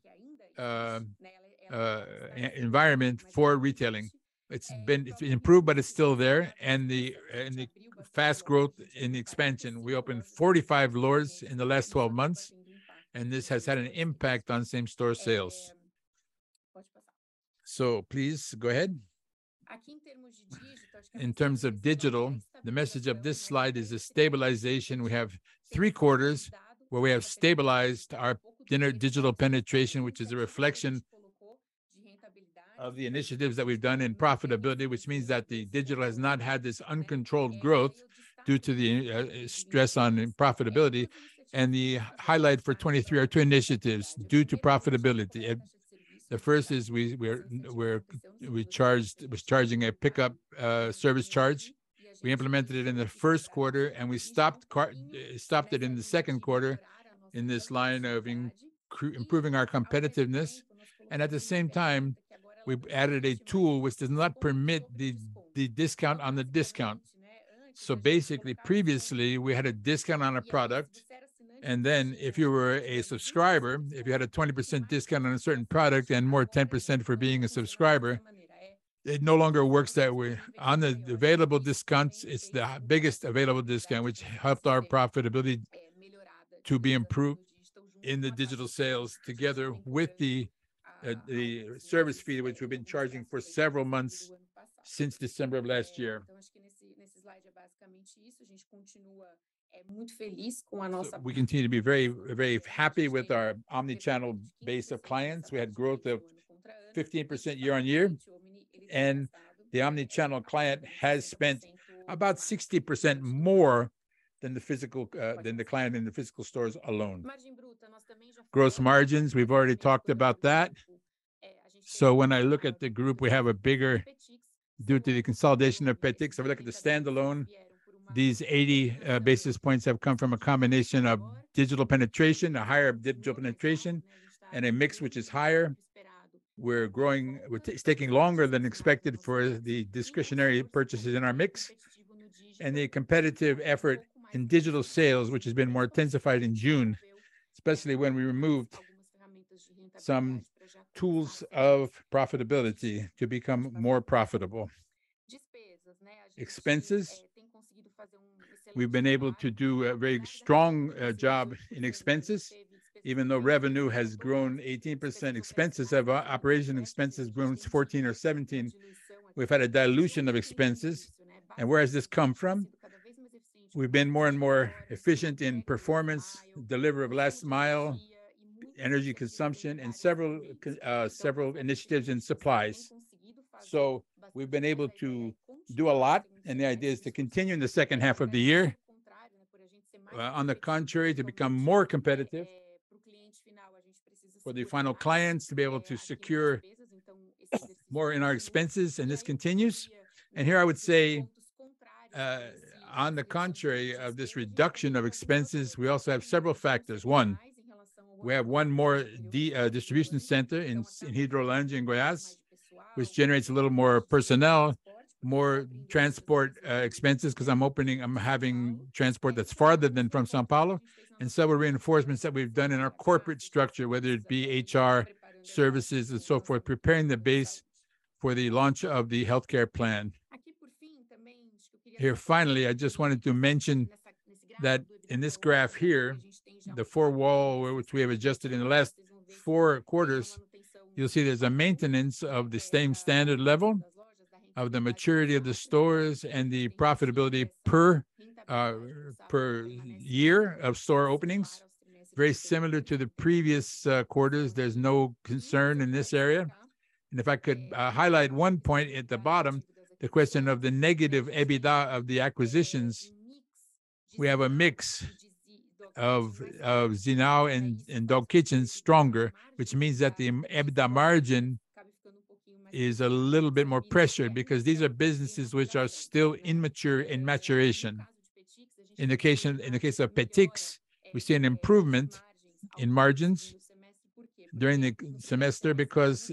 Speaker 2: environment for retailing. It's been, it's improved, but it's still there. The fast growth in the expansion. We opened 45 stores in the last 12 months. This has had an impact on same-store sales. Please go ahead. In terms of digital, the message of this slide is the stabilization. We have 3 quarters where we have stabilized our inner digital penetration, which is a reflection of the initiatives that we've done in profitability, which means that the digital has not had this uncontrolled growth due to the stress on the profitability. The highlight for 2023 are 2 initiatives due to profitability. The first is we, we charged, was charging a pickup, service charge. We implemented it in the first quarter, and we stopped stopped it in the second quarter in this line of improving our competitiveness. At the same time, we added a tool which does not permit the, the discount on the discount. Basically, previously, we had a discount on a product, and then if you were a subscriber, if you had a 20% discount on a certain product and more 10% for being a subscriber, it no longer works that way. On the, the available discounts, it's the biggest available discount, which helped our profitability to be improved in the digital sales, together with the, the service fee, which we've been charging for several months since December of last year. We continue to be very, very happy with our omni-channel base of clients. We had growth of 15% year-on-year. The omni-channel client has spent about 60% more than the physical than the client in the physical stores alone. Gross margins, we've already talked about that. When I look at the group, we have a bigger. due to the consolidation of Petz. If I look at the standalone, these 80 basis points have come from a combination of digital penetration, a higher digital penetration, and a mix which is higher. We're growing, which is taking longer than expected for the discretionary purchases in our mix. The competitive effort in digital sales, which has been more intensified in June, especially when we removed some tools of profitability to become more profitable. Expenses, we've been able to do a very strong job in expenses. Even though revenue has grown 18%, expenses have, operation expenses grown 14 or 17. We've had a dilution of expenses. Where has this come from? We've been more and more efficient in performance, delivery of last mile, energy consumption, and several initiatives in supplies. We've been able to do a lot, and the idea is to continue in the second half of the year. On the contrary, to become more competitive for the final clients, to be able to secure more in our expenses, and this continues. Here I would say, on the contrary of this reduction of expenses, we also have several factors. One, we have one more distribution center in Hidrolândia, in Goiás, which generates a little more personnel, more transport expenses, 'cause I'm having transport that's farther than from São Paulo, several reinforcements that we've done in our corporate structure, whether it be HR services and so forth, preparing the base for the launch of the healthcare plan. Here, finally, I just wanted to mention that in this graph here, the four wall, which we have adjusted in the last four quarters, you'll see there's a maintenance of the same standard level of the maturity of the stores and the profitability per year of store openings, very similar to the previous quarters. There's no concern in this area. If I could highlight one point at the bottom, the question of the negative EBITDA of the acquisitions. We have a mix of, of Zee.Now and, and Zee.Dog Kitchen stronger, which means that the EBITDA margin is a little bit more pressured, because these are businesses which are still immature in maturation. In the case, in the case of Petz, we see an improvement in margins during the semester because,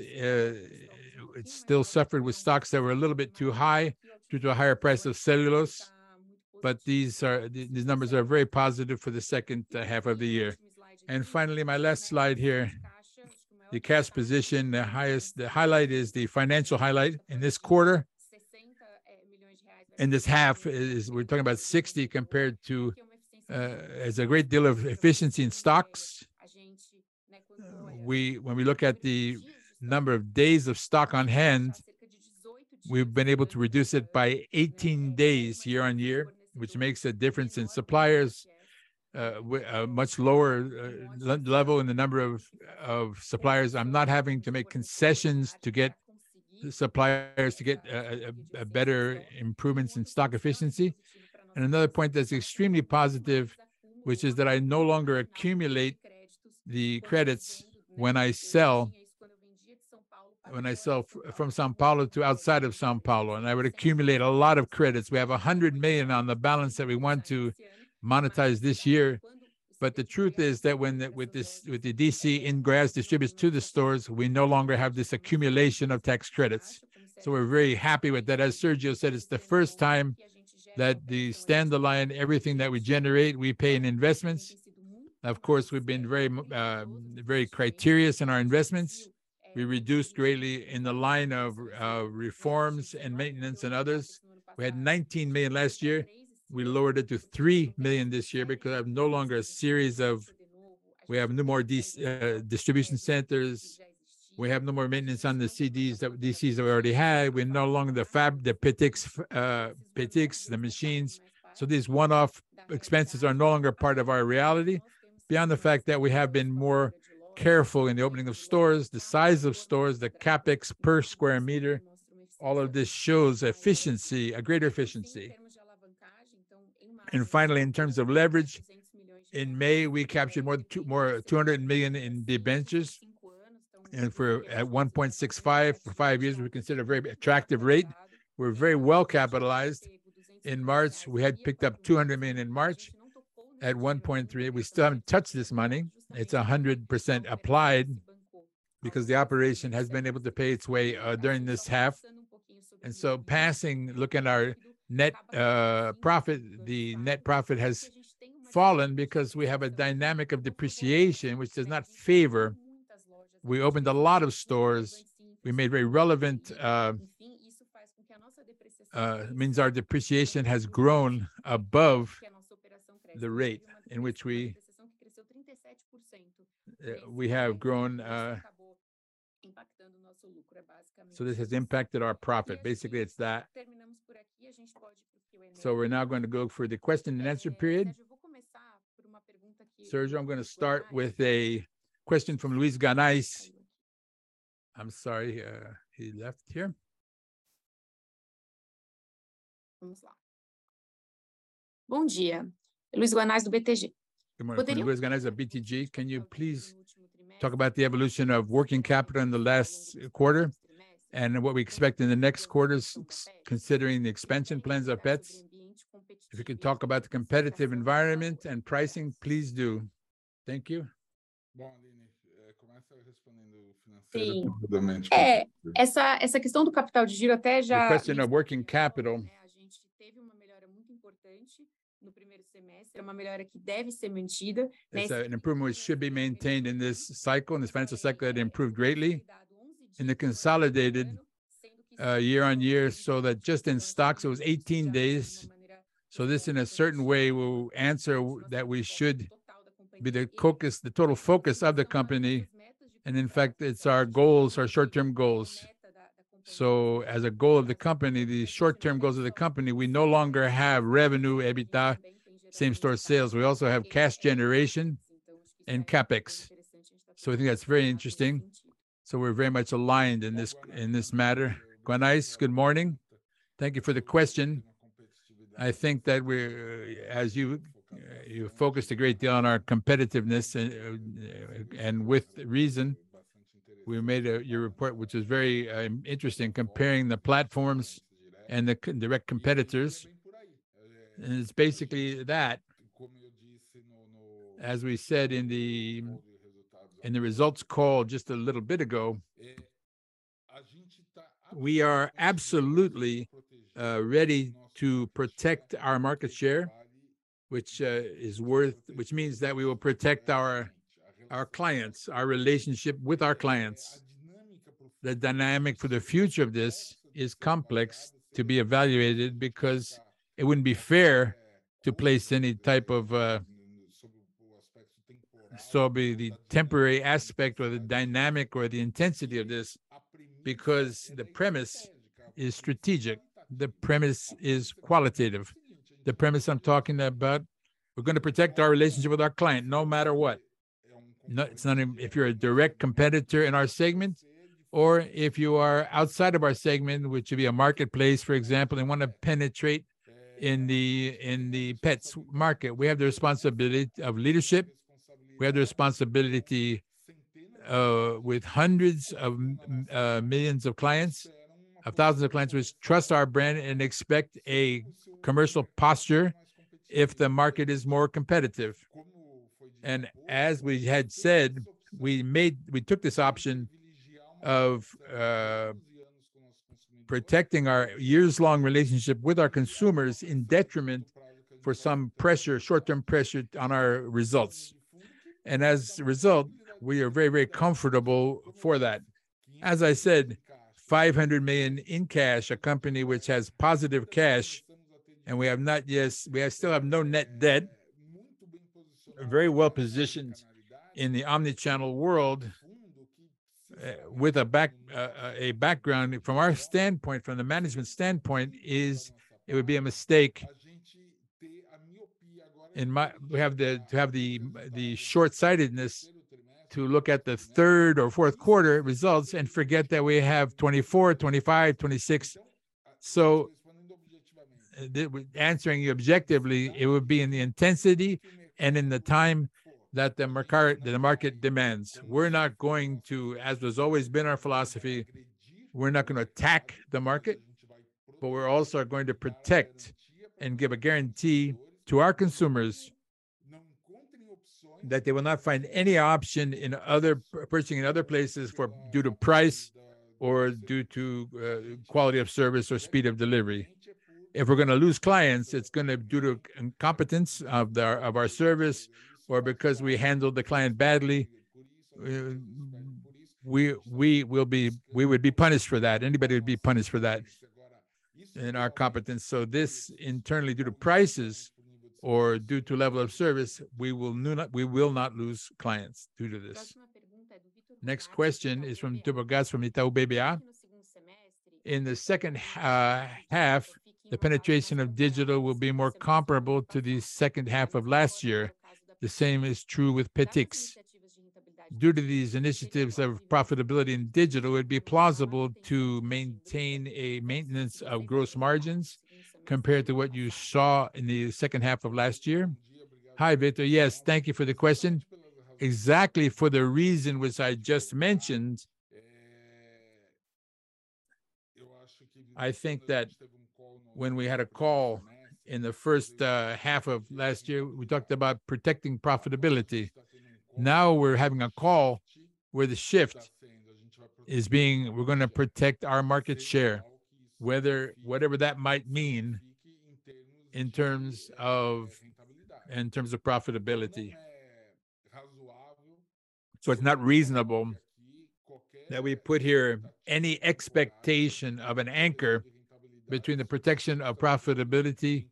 Speaker 2: it still suffered with stocks that were a little bit too high due to a higher price of cellulose, but these numbers are very positive for the second half of the year. Finally, my last slide here, the cash position, the highest- the highlight is the financial highlight in this quarter.... in this half is, is we're talking about 60 compared to. There's a great deal of efficiency in stocks. When we look at the number of days of stock on hand, we've been able to reduce it by 18 days year-on-year, which makes a difference in suppliers, a much lower level in the number of suppliers. I'm not having to make concessions to get the suppliers to get a better improvements in stock efficiency. Another point that's extremely positive, which is that I no longer accumulate the credits when I sell, when I sell from São Paulo to outside of São Paulo, and I would accumulate a lot of credits. We have 100 million on the balance that we want to monetize this year. The truth is that when with this, with the DC ingross distributes to the stores, we no longer have this accumulation of tax credits. We're very happy with that. As Sergio said, it's the first time that the stand line, everything that we generate, we pay in investments. Of course, we've been very criterious in our investments. We reduced greatly in the line of reforms and maintenance and others. We had 19 million last year. We lowered it to 3 million this year because I have no longer a series of. We have no more distribution centers. We have no more maintenance on the CDs that, DCs that we already had. We're no longer the Petix, Petix, the machines. These one-off expenses are no longer part of our reality, beyond the fact that we have been more careful in the opening of stores, the size of stores, the CapEx per square meter. All of this shows efficiency, a greater efficiency. Finally, in terms of leverage, in May, we captured 200 million in debentures, at 1.65% for 5 years, we consider a very attractive rate. We're very well capitalized. In March, we had picked up 200 million in March at 1.3%. We still haven't touched this money. It's 100% applied, because the operation has been able to pay its way during this half. Look at our net profit. The net profit has fallen because we have a dynamic of depreciation, which does not favor. We opened a lot of stores. We made very relevant, means our depreciation has grown above the rate in which we have grown. This has impacted our profit. Basically, it's that. We're now going to go for the question and answer period. Sergio, I'm gonna start with a question from Luiz Guanais. I'm sorry, he left here.
Speaker 3: Good morning, Luiz Guanais of BTG. Can you please talk about the evolution of working capital in the last quarter, and what we expect in the next quarters, considering the expansion plans of Petz? If you could talk about the competitive environment and pricing, please do. Thank you.
Speaker 1: Well, Aline.
Speaker 2: The question of working capital. That's an improvement, which should be maintained in this cycle, in this financial cycle, it improved greatly. In the consolidated, year-over-year, that just in stocks, it was 18 days. This, in a certain way, will answer that we should be the focus, the total focus of the company, and in fact, it's our goals, our short-term goals. As a goal of the company, the short-term goals of the company, we no longer have revenue, EBITDA, same-store sales. We also have cash generation and CapEx. I think that's very interesting. We're very much aligned in this, in this matter.
Speaker 1: Guanais, good morning. Thank you for the question. I think that we're. As you, you focused a great deal on our competitiveness, and with reason, we made a, your report, which is very interesting, comparing the platforms and the direct competitors, and it's basically that. As we said in the, in the results call just a little bit ago, we are absolutely ready to protect our market share, which is worth... Which means that we will protect our, our clients, our relationship with our clients. The dynamic for the future of this is complex to be evaluated, because it wouldn't be fair to place any type of, so be the temporary aspect or the dynamic or the intensity of this, because the premise is strategic, the premise is qualitative. The premise I'm talking about, we're gonna protect our relationship with our client, no matter what. No, it's not even if you're a direct competitor in our segment or if you are outside of our segment, which would be a marketplace, for example, and want to penetrate in the pets market. We have the responsibility of leadership. We have the responsibility, with hundreds of millions of clients, of thousands of clients, which trust our brand and expect a commercial posture if the market is more competitive. As we had said, we took this option of protecting our years-long relationship with our consumers in detriment for some pressure, short-term pressure on our results. As a result, we are very, very comfortable for that, as I said, 500 million in cash, a company which has positive cash, and we are still have no net debt. We're very well positioned in the omni-channel world, with a background. From our standpoint, from the management standpoint, is it would be a mistake, in my, we have the, to have the, the shortsightedness to look at the third or fourth quarter results and forget that we have 2024, 2025, 2026. Answering you objectively, it would be in the intensity and in the time that the market, that the market demands. We're not going to, as has always been our philosophy, we're not gonna attack the market, but we're also going to protect and give a guarantee to our consumers that they will not find any option in other, purchasing in other places due to price or due to, quality of service or speed of delivery. If we're gonna lose clients, it's gonna due to incompetence of our service or because we handled the client badly. we would be punished for that. Anybody would be punished for that in our competence. This, internally, due to prices or due to level of service, we will not lose clients due to this.
Speaker 2: Next question is from Victor Ghasub from Itaú BBA. "In the second half, the penetration of digital will be more comparable to the second half of last year. The same is true with Petix. Due to these initiatives of profitability in digital, it'd be plausible to maintain a maintenance of gross margins compared to what you saw in the second half of last year?"
Speaker 1: Hi, Victor. Yes, thank you for the question. Exactly for the reason which I just mentioned, I think that when we had a call in the first half of last year, we talked about protecting profitability. Now we're having a call where the shift is being, we're gonna protect our market share, whatever that might mean in terms of, in terms of profitability. It's not reasonable that we put here any expectation of an anchor between the protection of profitability,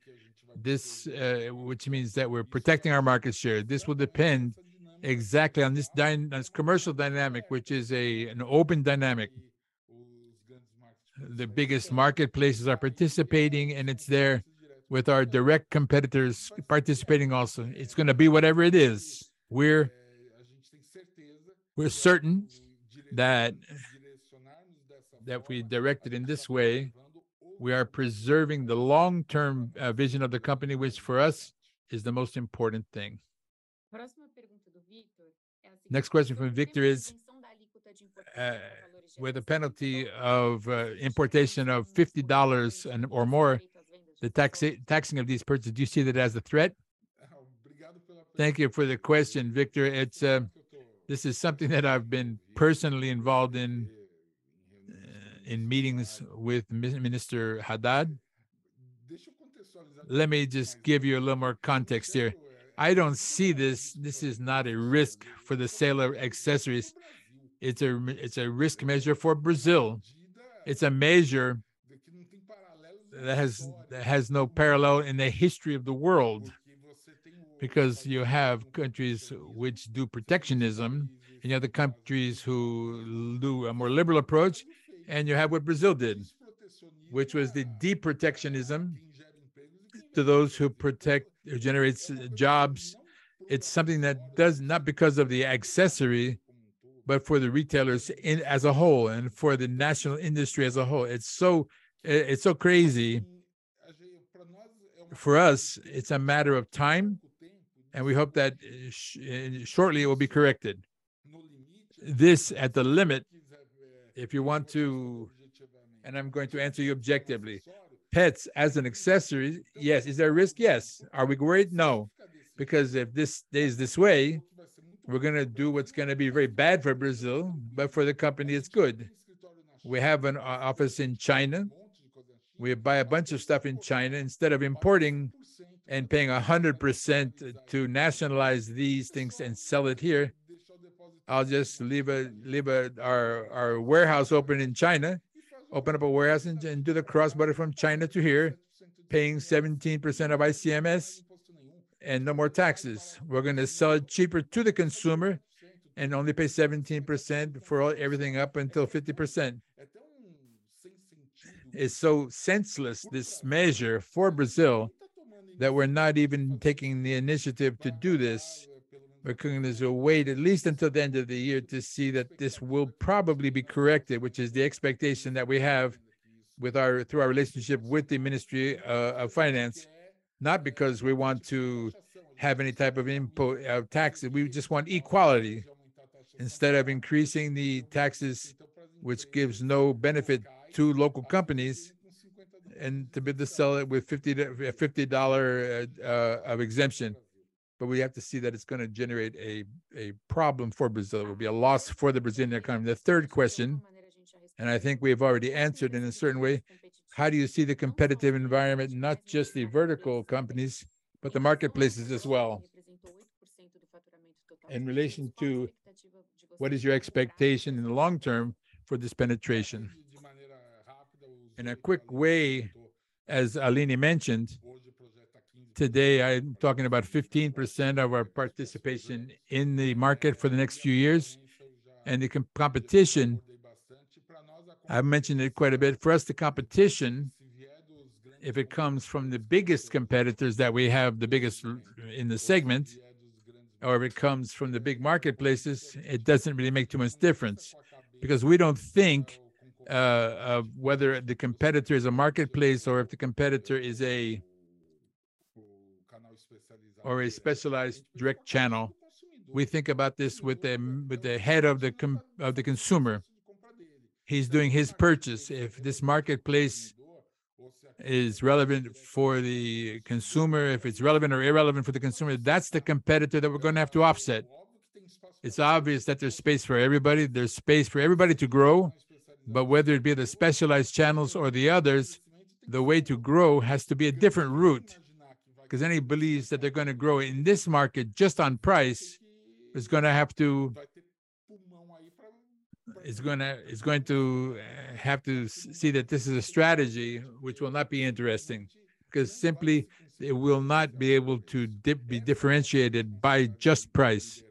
Speaker 1: this, which means that we're protecting our market share. This will depend exactly on this commercial dynamic, which is a, an open dynamic. The biggest marketplaces are participating, and it's there with our direct competitors participating also. It's gonna be whatever it is. We're, we're certain that, that if we direct it in this way, we are preserving the long-term vision of the company, which for us is the most important thing.
Speaker 2: Next question from Victor is, "With the penalty of importation of $50 and, or more, the tax- taxing of these purchases, do you see that as a threat?"
Speaker 1: Thank you for the question, Victor. It's, this is something that I've been personally involved in, in meetings with Min- Minister Haddad. Let me just give you a little more context here. I don't see this... This is not a risk for the sale of accessories. It's a re- it's a risk measure for Brazil. It's a measure that has, that has no parallel in the history of the world. You have countries which do protectionism, and you have the countries who do a more liberal approach, and you have what Brazil did, which was the deprotectionism to those who protect or generates jobs. It's something that does, not because of the accessory, but for the retailers as a whole, and for the national industry as a whole. It's so, it's so crazy. For us, it's a matter of time, and we hope that shortly it will be corrected. This, at the limit, if you want to... I'm going to answer you objectively, pets as an accessory, yes. Is there a risk? Yes. Are we worried? No. If this stays this way, we're gonna do what's gonna be very bad for Brazil, but for the company, it's good. We have an office in China. We buy a bunch of stuff in China. Instead of importing and paying 100% to nationalize these things and sell it here, I'll just leave our warehouse open in China, open up a warehouse and do the cross-border from China to here, paying 17% of ICMS and no more taxes. We're gonna sell it cheaper to the consumer and only pay 17% for everything up until 50%. It's so senseless, this measure for Brazil, that we're not even taking the initiative to do this. We're going to wait at least until the end of the year to see that this will probably be corrected, which is the expectation that we have with our, through our relationship with the Ministry of Finance. Not because we want to have any type of import tax, we just want equality. Instead of increasing the taxes, which gives no benefit to local companies, and to be able to sell it with $50 of exemption, but we have to see that it's gonna generate a, a problem for Brazil. It will be a loss for the Brazilian economy. The third question, I think we have already answered in a certain way: "How do you see the competitive environment, not just the vertical companies, but the marketplaces as well?"... in relation to what is your expectation in the long term for this penetration? In a quick way, as Aline mentioned, today I'm talking about 15% of our participation in the market for the next few years, and the com- competition, I've mentioned it quite a bit. For us, the competition, if it comes from the biggest competitors that we have, the biggest in the segment, or if it comes from the big marketplaces, it doesn't really make too much difference. We don't think of whether the competitor is a marketplace or if the competitor is a, or a specialized direct channel. We think about this with the, with the head of the consumer. He's doing his purchase. If this marketplace is relevant for the consumer, if it's relevant or irrelevant for the consumer, that's the competitor that we're gonna have to offset. It's obvious that there's space for everybody, there's space for everybody to grow, whether it be the specialized channels or the others, the way to grow has to be a different route. Because anybody believes that they're gonna grow in this market just on price, is going to have to see that this is a strategy which will not be interesting, 'cause simply it will not be able to be differentiated by just price.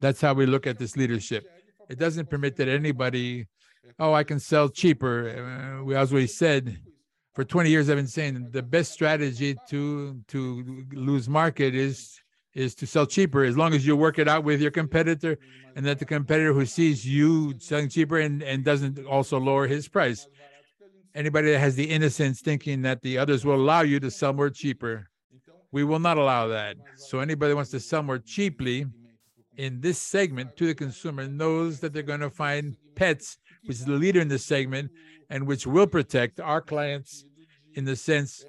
Speaker 1: That's how we look at this leadership. It doesn't permit that anybody, "Oh, I can sell cheaper." As we said, for 20 years I've been saying the best strategy to, to lose market is, is to sell cheaper, as long as you work it out with your competitor, and that the competitor who sees you selling cheaper and, and doesn't also lower his price. Anybody that has the innocence thinking that the others will allow you to sell more cheaper, we will not allow that. Anybody who wants to sell more cheaply in this segment to the consumer, knows that they're gonna find Petz, which is the leader in this segment, and which will protect our clients in the sense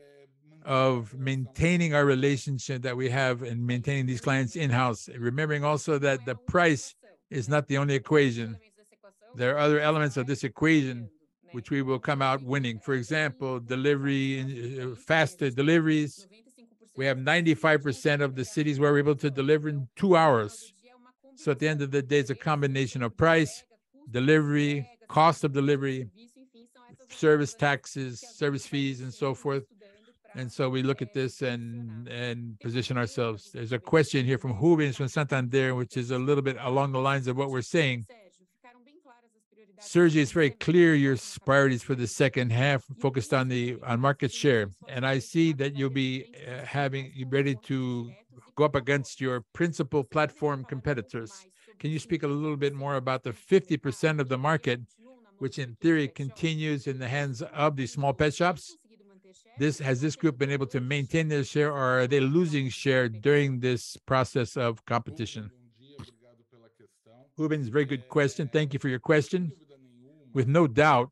Speaker 1: of maintaining our relationship that we have and maintaining these clients in-house. Remembering also that the price is not the only equation. There are other elements of this equation which we will come out winning. For example, delivery and faster deliveries. We have 95% of the cities where we're able to deliver in 2 hours. At the end of the day, it's a combination of price, delivery, cost of delivery, service taxes, service fees, and so forth. We look at this and position ourselves.
Speaker 2: There's a question here from Rubens from Santander, which is a little bit along the lines of what we're saying: "Sergio, it's very clear your priorities for the second half are focused on the on market share. I see that you'll be having. You're ready to go up against your principal platform competitors. Can you speak a little bit more about the 50% of the market, which in theory continues in the hands of the small pet shops? Has this group been able to maintain their share, or are they losing share during this process of competition?"
Speaker 1: Rubens, very good question. Thank you for your question. With no doubt,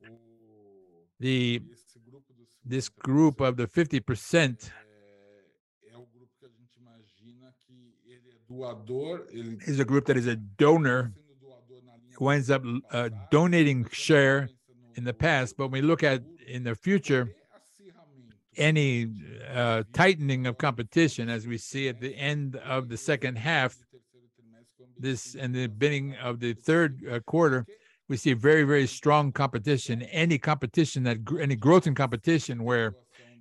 Speaker 1: this group of the 50% is a group that is a donor, who ends up donating share in the past. When we look at, in the future, any tightening of competition, as we see at the end of the second half, this, and the beginning of the third quarter, we see very, very strong competition. Any competition that any growth in competition where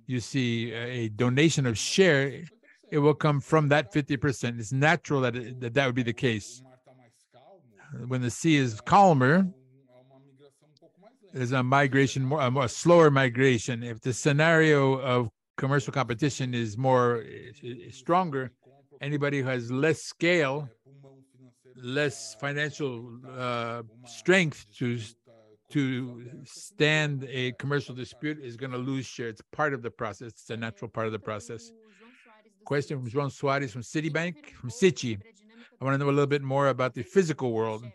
Speaker 1: you see a donation of share, it will come from that 50%. It's natural that, that that would be the case. When the sea is calmer, there's a migration more... a slower migration. If the scenario of commercial competition is more stronger, anybody who has less scale, less financial strength to stand a commercial dispute, is gonna lose share. It's part of the process. It's a natural part of the process.
Speaker 2: Question from Jêrome Squarize from Citibank, from Citi: "I wanna know a little bit more about the physical world.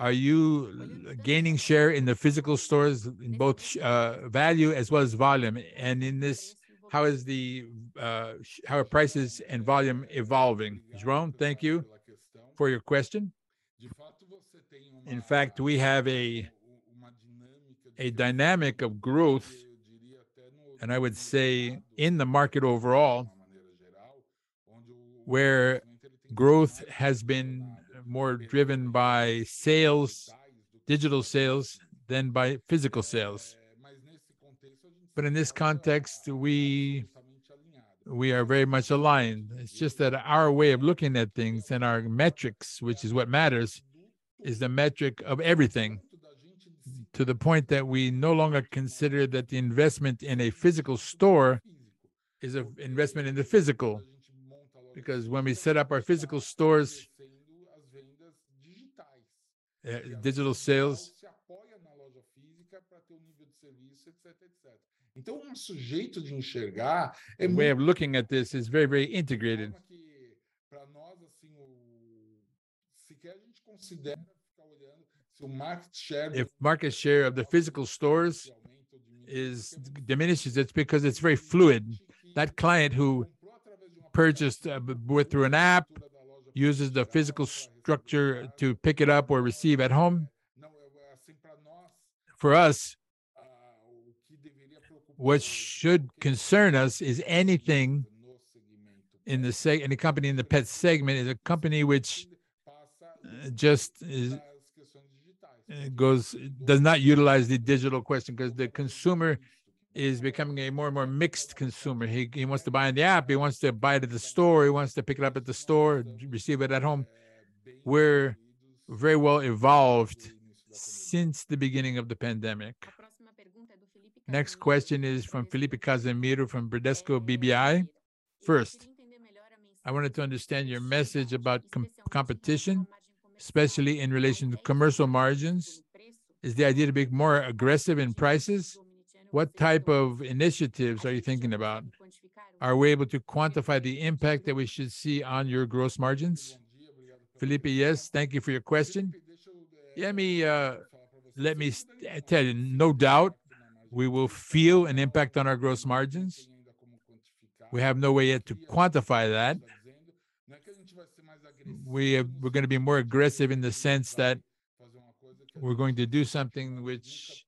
Speaker 2: Are you gaining share in the physical stores in both value as well as volume? In this, how are prices and volume evolving?
Speaker 1: Jêrome, thank you for your question. In fact, we have a dynamic of growth, and I would say in the market overall, where growth has been more driven by sales, digital sales, than by physical sales. In this context, we are very much aligned. It's just that our way of looking at things and our metrics, which is what matters, is the metric of everything, to the point that we no longer consider that the investment in a physical store is a investment in the physical. Because when we set up our physical stores, digital sales. Way of looking at this is very, very integrated. If market share of the physical stores is. diminishes, it's because it's very fluid. That client who purchased through an app, uses the physical structure to pick it up or receive at home, for us. What should concern us is anything in a company in the pet segment, is a company which just does not utilize the digital question, 'cause the consumer is becoming a more and more mixed consumer. He, he wants to buy on the app, he wants to buy it at the store, he wants to pick it up at the store, and receive it at home. We're very well evolved since the beginning of the pandemic.
Speaker 2: The next question is from Felipe Cassimiro from Bradesco BBI. "First, I wanted to understand your message about competition, especially in relation to commercial margins. Is the idea to be more aggressive in prices? What type of initiatives are you thinking about? Are we able to quantify the impact that we should see on your gross margins?
Speaker 1: Felipe, yes, thank you for your question. Let me tell you, no doubt we will feel an impact on our gross margins. We have no way yet to quantify that. We're gonna be more aggressive in the sense that we're going to do something which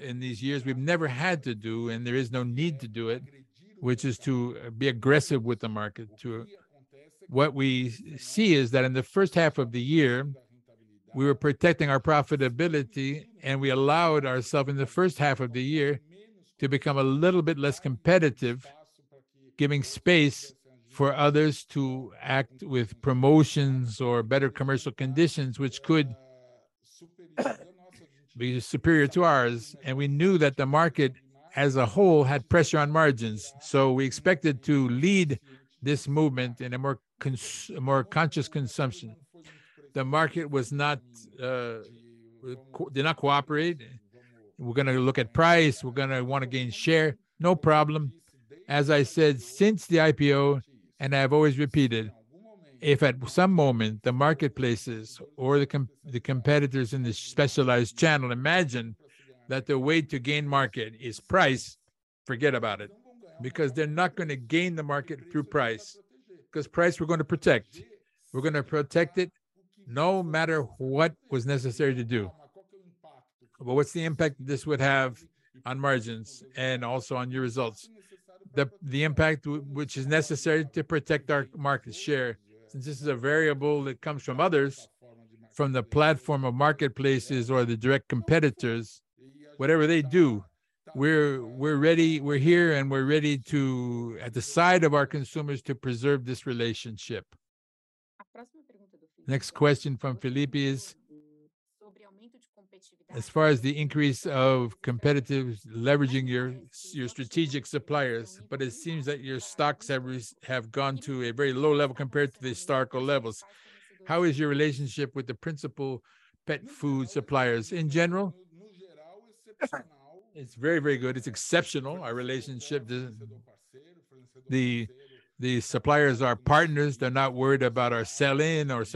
Speaker 1: in these years we've never had to do, and there is no need to do it, which is to be aggressive with the market, to. What we see is that in the first half of the year, we were protecting our profitability, and we allowed ourself in the first half of the year to become a little bit less competitive, giving space for others to act with promotions or better commercial conditions, which could be superior to ours. We knew that the market as a whole had pressure on margins, so we expected to lead this movement in a more a more conscious consumption. The market was not did not cooperate. We're gonna look at price, we're gonna wanna gain share. No problem. As I said, since the IPO, I've always repeated, if at some moment the marketplaces or the competitors in the specialized channel imagine that the way to gain market is price, forget about it, because they're not gonna gain the market through price, 'cause price we're gonna protect. We're gonna protect it no matter what was necessary to do. What's the impact this would have on margins, and also on your results? The, the impact which is necessary to protect our market share, since this is a variable that comes from others, from the platform of marketplaces or the direct competitors, whatever they do, we're, we're ready... We're here, and we're ready to, at the side of our consumers, to preserve this relationship.
Speaker 2: Next question from Felipe is, "As far as the increase of competitive leveraging your strategic suppliers, it seems that your stocks have gone to a very low level compared to the historical levels. How is your relationship with the principal pet food suppliers?"
Speaker 1: In general, it's very, very good. It's exceptional, our relationship to the suppliers, our partners, they're not worried about our sell-in or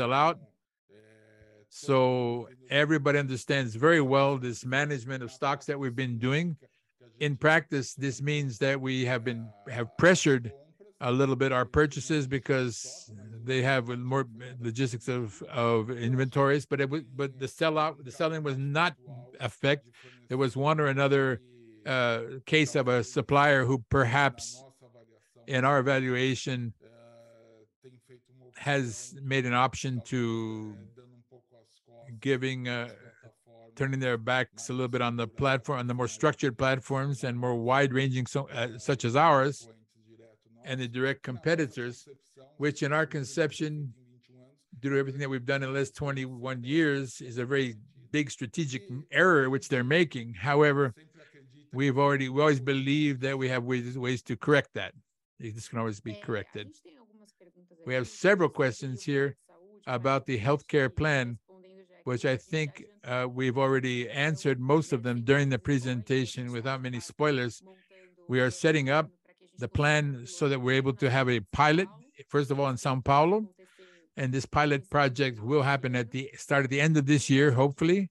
Speaker 1: sell-out. Everybody understands very well this management of stocks that we've been doing. In practice, this means that we have pressured a little bit our purchases, because they have more logistics of inventories. But the sell-out, the selling was not affect. There was one or another case of a supplier who perhaps, in our evaluation, has made an option to giving, turning their backs a little bit on the platform, on the more structured platforms, and more wide-ranging, so, such as ours, and the direct competitors, which in our conception, due to everything that we've done in the last 21 years, is a very big strategic error which they're making. However, we always believed that we have ways, ways to correct that. This can always be corrected. We have several questions here about the healthcare plan, which I think, we've already answered most of them during the presentation, without many spoilers. We are setting up the plan so that we're able to have a pilot, first of all, in São Paulo, and this pilot project will happen at the start of the end of this year, hopefully.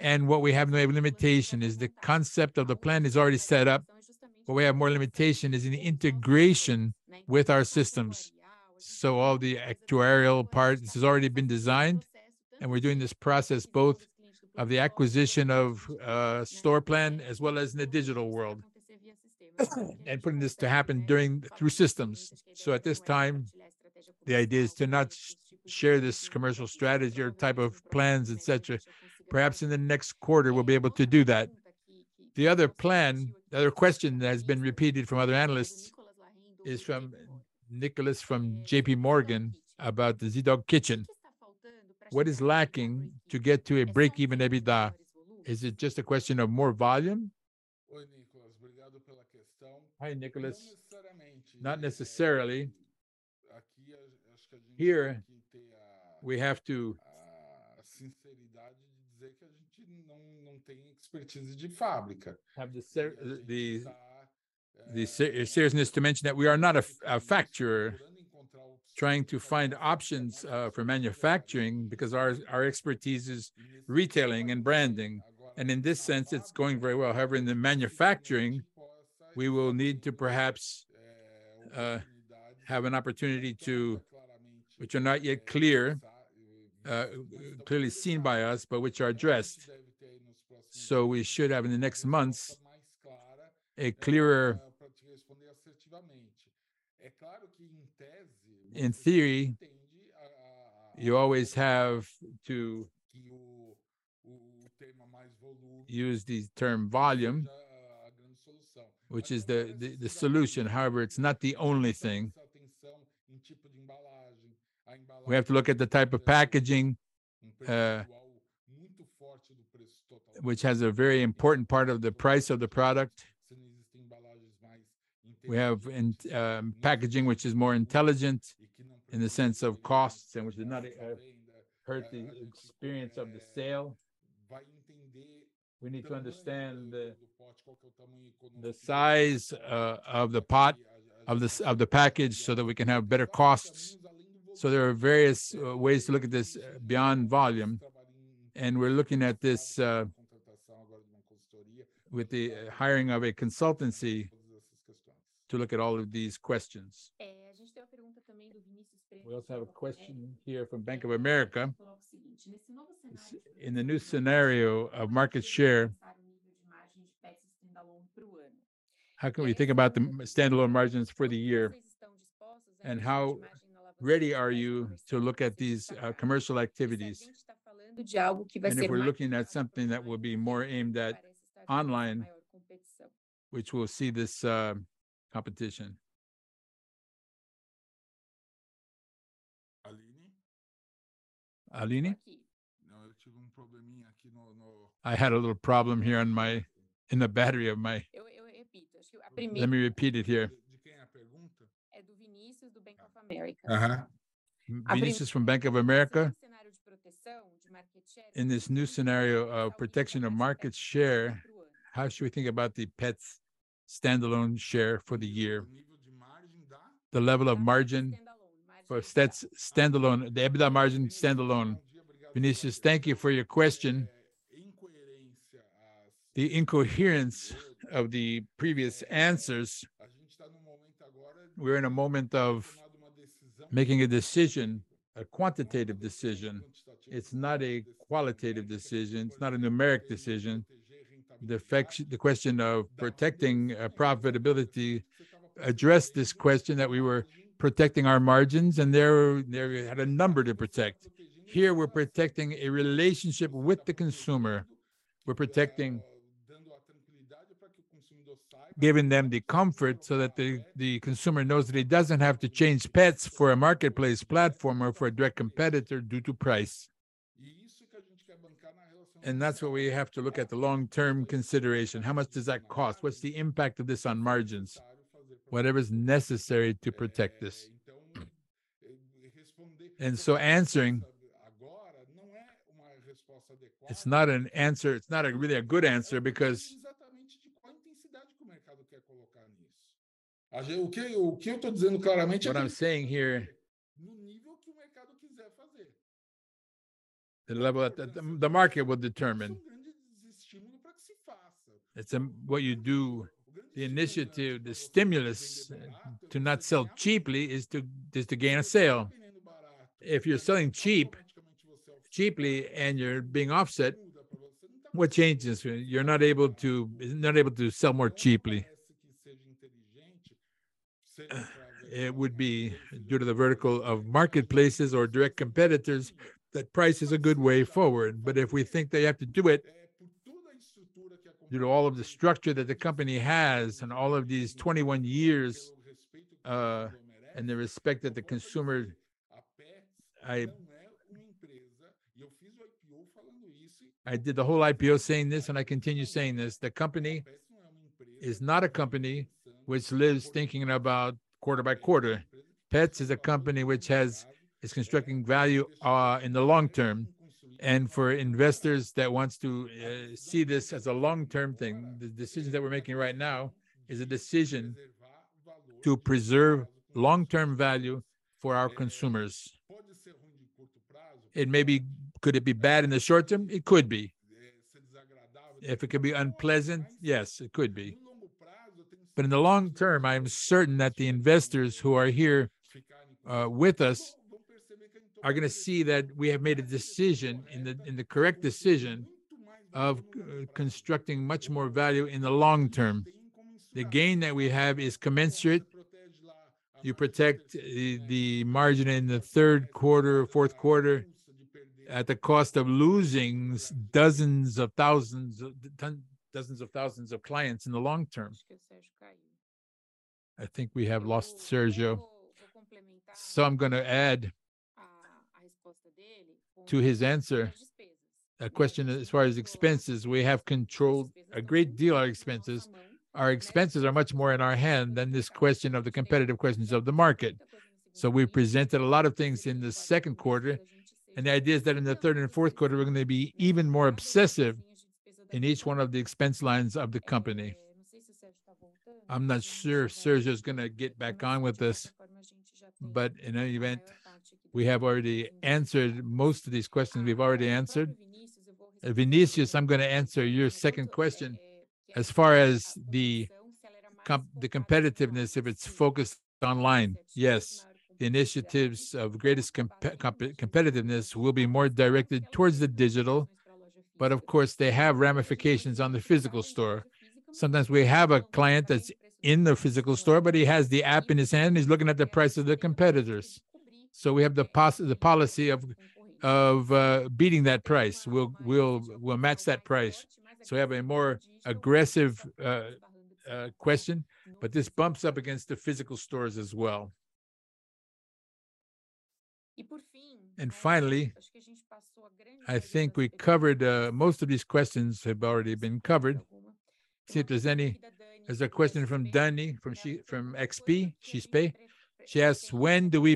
Speaker 1: What we have no limitation is the concept of the plan is already set up, but we have more limitation is in the integration with our systems. All the actuarial parts has already been designed, and we're doing this process both of the acquisition of store plan, as well as in the digital world, and putting this to happen through systems. At this time, the idea is to not share this commercial strategy or type of plans, et cetera. Perhaps in the next quarter we'll be able to do that. The other plan.
Speaker 2: The other question that has been repeated from other analysts is from Nicolas from JPMorgan, about the Zee.Dog Kitchen. "What is lacking to get to a break-even EBITDA? Is it just a question of more volume?"
Speaker 1: Hi, Nicolas. Not necessarily. Here, we have to have the seriousness to mention that we are not a factorer trying to find options for manufacturing, because our expertise is retailing and branding, and in this sense, it's going very well. In the manufacturing, we will need to perhaps have an opportunity to, which are not yet clearly seen by us, but which are addressed. We should have, in the next months, a clearer. In theory, you always have to use the term volume, which is the solution. It's not the only thing. We have to look at the type of packaging, which has a very important part of the price of the product. We have in packaging which is more intelligent in the sense of costs, and which did not hurt the experience of the sale. We need to understand the, the size, of the pot, of the package, so that we can have better costs. There are various ways to look at this beyond volume, and we're looking at this with the hiring of a consultancy to look at all of these questions.
Speaker 2: We also have a question here from Bank of America. In the new scenario of market share. How can we think about the standalone margins for the year? How ready are you to look at these, commercial activities.
Speaker 1: If we're looking at something that would be more aimed at online, which we'll see this, competition. Aline? Aline? No, I had a little problem here on my... in the battery of my.
Speaker 2: Let me repeat it here. Vinicius from Bank of America? In this new scenario of protection of market share, how should we think about the Petz' standalone share for the year?
Speaker 1: The level of margin, the level of margin for standalone, the EBITDA margin standalone. Vinicius, thank you for your question. The incoherence of the previous answers, we're in a moment of making a decision, a quantitative decision. It's not a qualitative decision. It's not a numeric decision. The fact- the question of protecting profitability addressed this question, that we were protecting our margins, and there, there we had a number to protect. Here, we're protecting a relationship with the consumer. We're protecting-... giving them the comfort so that the, the consumer knows that he doesn't have to change Petz for a marketplace platform or for a direct competitor due to price. That's where we have to look at the long-term consideration. How much does that cost? What's the impact of this on margins? Whatever's necessary to protect this. So answering. It's not an answer. It's not a really a good answer, because. What I'm saying here. The level at the, the market will determine. It's what you do, the initiative, the stimulus to not sell cheaply is to, just to gain a sale. If you're selling cheap, cheaply, and you're being offset, what changes? You're not able to, not able to sell more cheaply. It would be due to the vertical of marketplaces or direct competitors, that price is a good way forward. If we think they have to do it, due to all of the structure that the company has and all of these 21 years, and the respect that the consumer, I did the whole IPO saying this, and I continue saying this: the company is not a company which lives thinking about quarter by quarter. Petz is a company which is constructing value in the long term. For investors that wants to see this as a long-term thing, the decision that we're making right now is a decision to preserve long-term value for our consumers. Could it be bad in the short term? It could be. If it could be unpleasant? Yes, it could be. In the long term, I am certain that the investors who are here, with us, are gonna see that we have made a decision, and the, and the correct decision, of constructing much more value in the long term. The gain that we have is commensurate. You protect the, the margin in the third quarter or fourth quarter at the cost of losing dozens of thousands of, dozens of thousands of clients in the long term.
Speaker 2: I think we have lost Sergio. I'm gonna add. To his answer, a question as far as expenses, we have controlled a great deal, our expenses. Our expenses are much more in our hand than this question of the competitive questions of the market. We've presented a lot of things in the second quarter, and the idea is that in the third and fourth quarter, we're gonna be even more obsessive in each one of the expense lines of the company. I'm not sure if Sergio's gonna get back on with us, but in any event, we have already answered most of these questions. We've already answered. Vinicius, I'm gonna answer your second question. As far as the competitiveness, if it's focused online, yes, initiatives of greatest competitiveness will be more directed towards the digital, but of course, they have ramifications on the physical store. Sometimes we have a client that's in the physical store, but he has the app in his hand, and he's looking at the price of the competitors. We have the policy of beating that price. We'll match that price. We have a more aggressive question. This bumps up against the physical stores as well. Finally, I think we covered. Most of these questions have already been covered. See if there's. There's a question from Danny, from XP. She asks, "When do we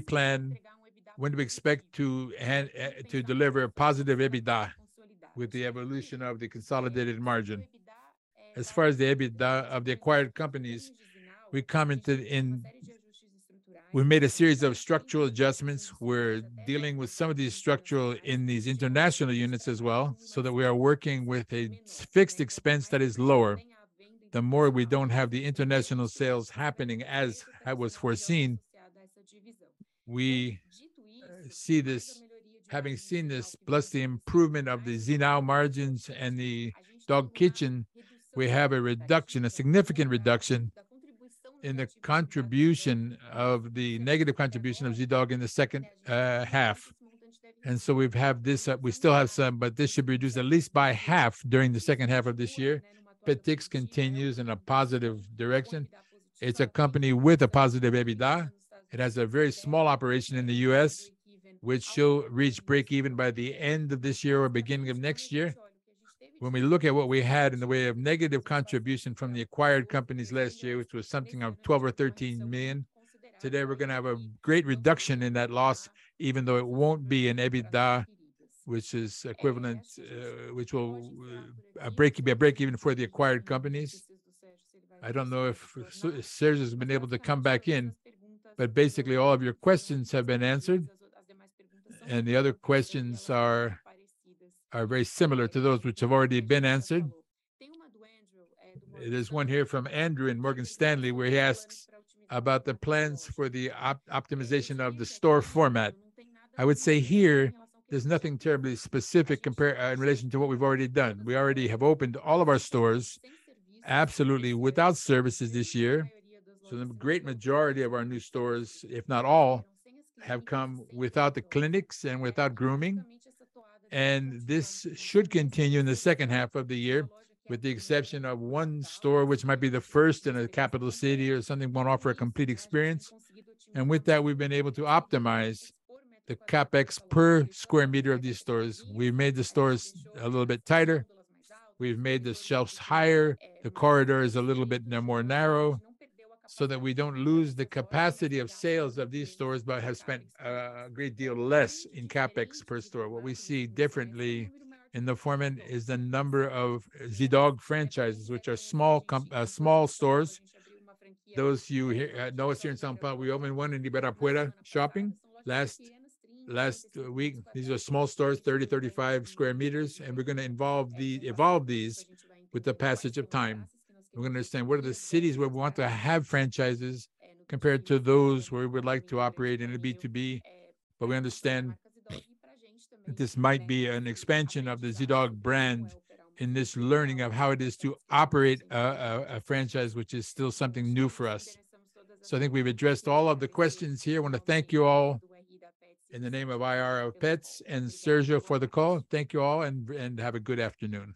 Speaker 2: expect to deliver a positive EBITDA with the evolution of the consolidated margin?" As far as the EBITDA of the acquired companies, we commented. We made a series of structural adjustments. We're dealing with some of these structural in these international units as well, so that we are working with a fixed expense that is lower. The more we don't have the international sales happening as I was foreseen, we see this. Having seen this, plus the improvement of the Zee.Now margins and the Zee.Dog Kitchen, we have a reduction, a significant reduction in the contribution of the negative contribution of Zee.Dog in the second half. We've have this, we still have some, but this should be reduced at least by half during the second half of this year. Petz continues in a positive direction. It's a company with a positive EBITDA. It has a very small operation in the U.S., which should reach break-even by the end of this year or beginning of next year. When we look at what we had in the way of negative contribution from the acquired companies last year, which was something of 12 million or 13 million, today we're gonna have a great reduction in that loss, even though it won't be in EBITDA, which is equivalent, which will be a break even for the acquired companies. I don't know if Sergio's has been able to come back in. Basically, all of your questions have been answered, and the other questions are very similar to those which have already been answered. There's one here from Andrew in Morgan Stanley, where he asks about the plans for the optimization of the store format. I would say here, there's nothing terribly specific in relation to what we've already done. We already have opened all of our stores absolutely without services this year, so the great majority of our new stores, if not all, have come without the clinics and without grooming, and this should continue in the second half of the year, with the exception of 1 store, which might be the first in a capital city or something, want to offer a complete experience. With that, we've been able to optimize the CapEx per square meter of these stores. We've made the stores a little bit tighter. We've made the shelves higher. The corridor is a little bit more narrow, so that we don't lose the capacity of sales of these stores, but have spent a great deal less in CapEx per store. What we see differently in the format is the number of Zee.Dog franchises, which are small stores. Those of you here know us here in São Paulo, we opened one in Ibirapuera Shopping last, last week. These are small stores, 30, 35 square meters, and we're gonna involve these-- evolve these with the passage of time. We understand what are the cities where we want to have franchises compared to those where we would like to operate in a B2B, but we understand that this might be an expansion of the Zee.Dog brand in this learning of how it is to operate a, a, a franchise, which is still something new for us. I think we've addressed all of the questions here. I want to thank you all in the name of Petz and Sergio for the call. Thank you all, and have a good afternoon.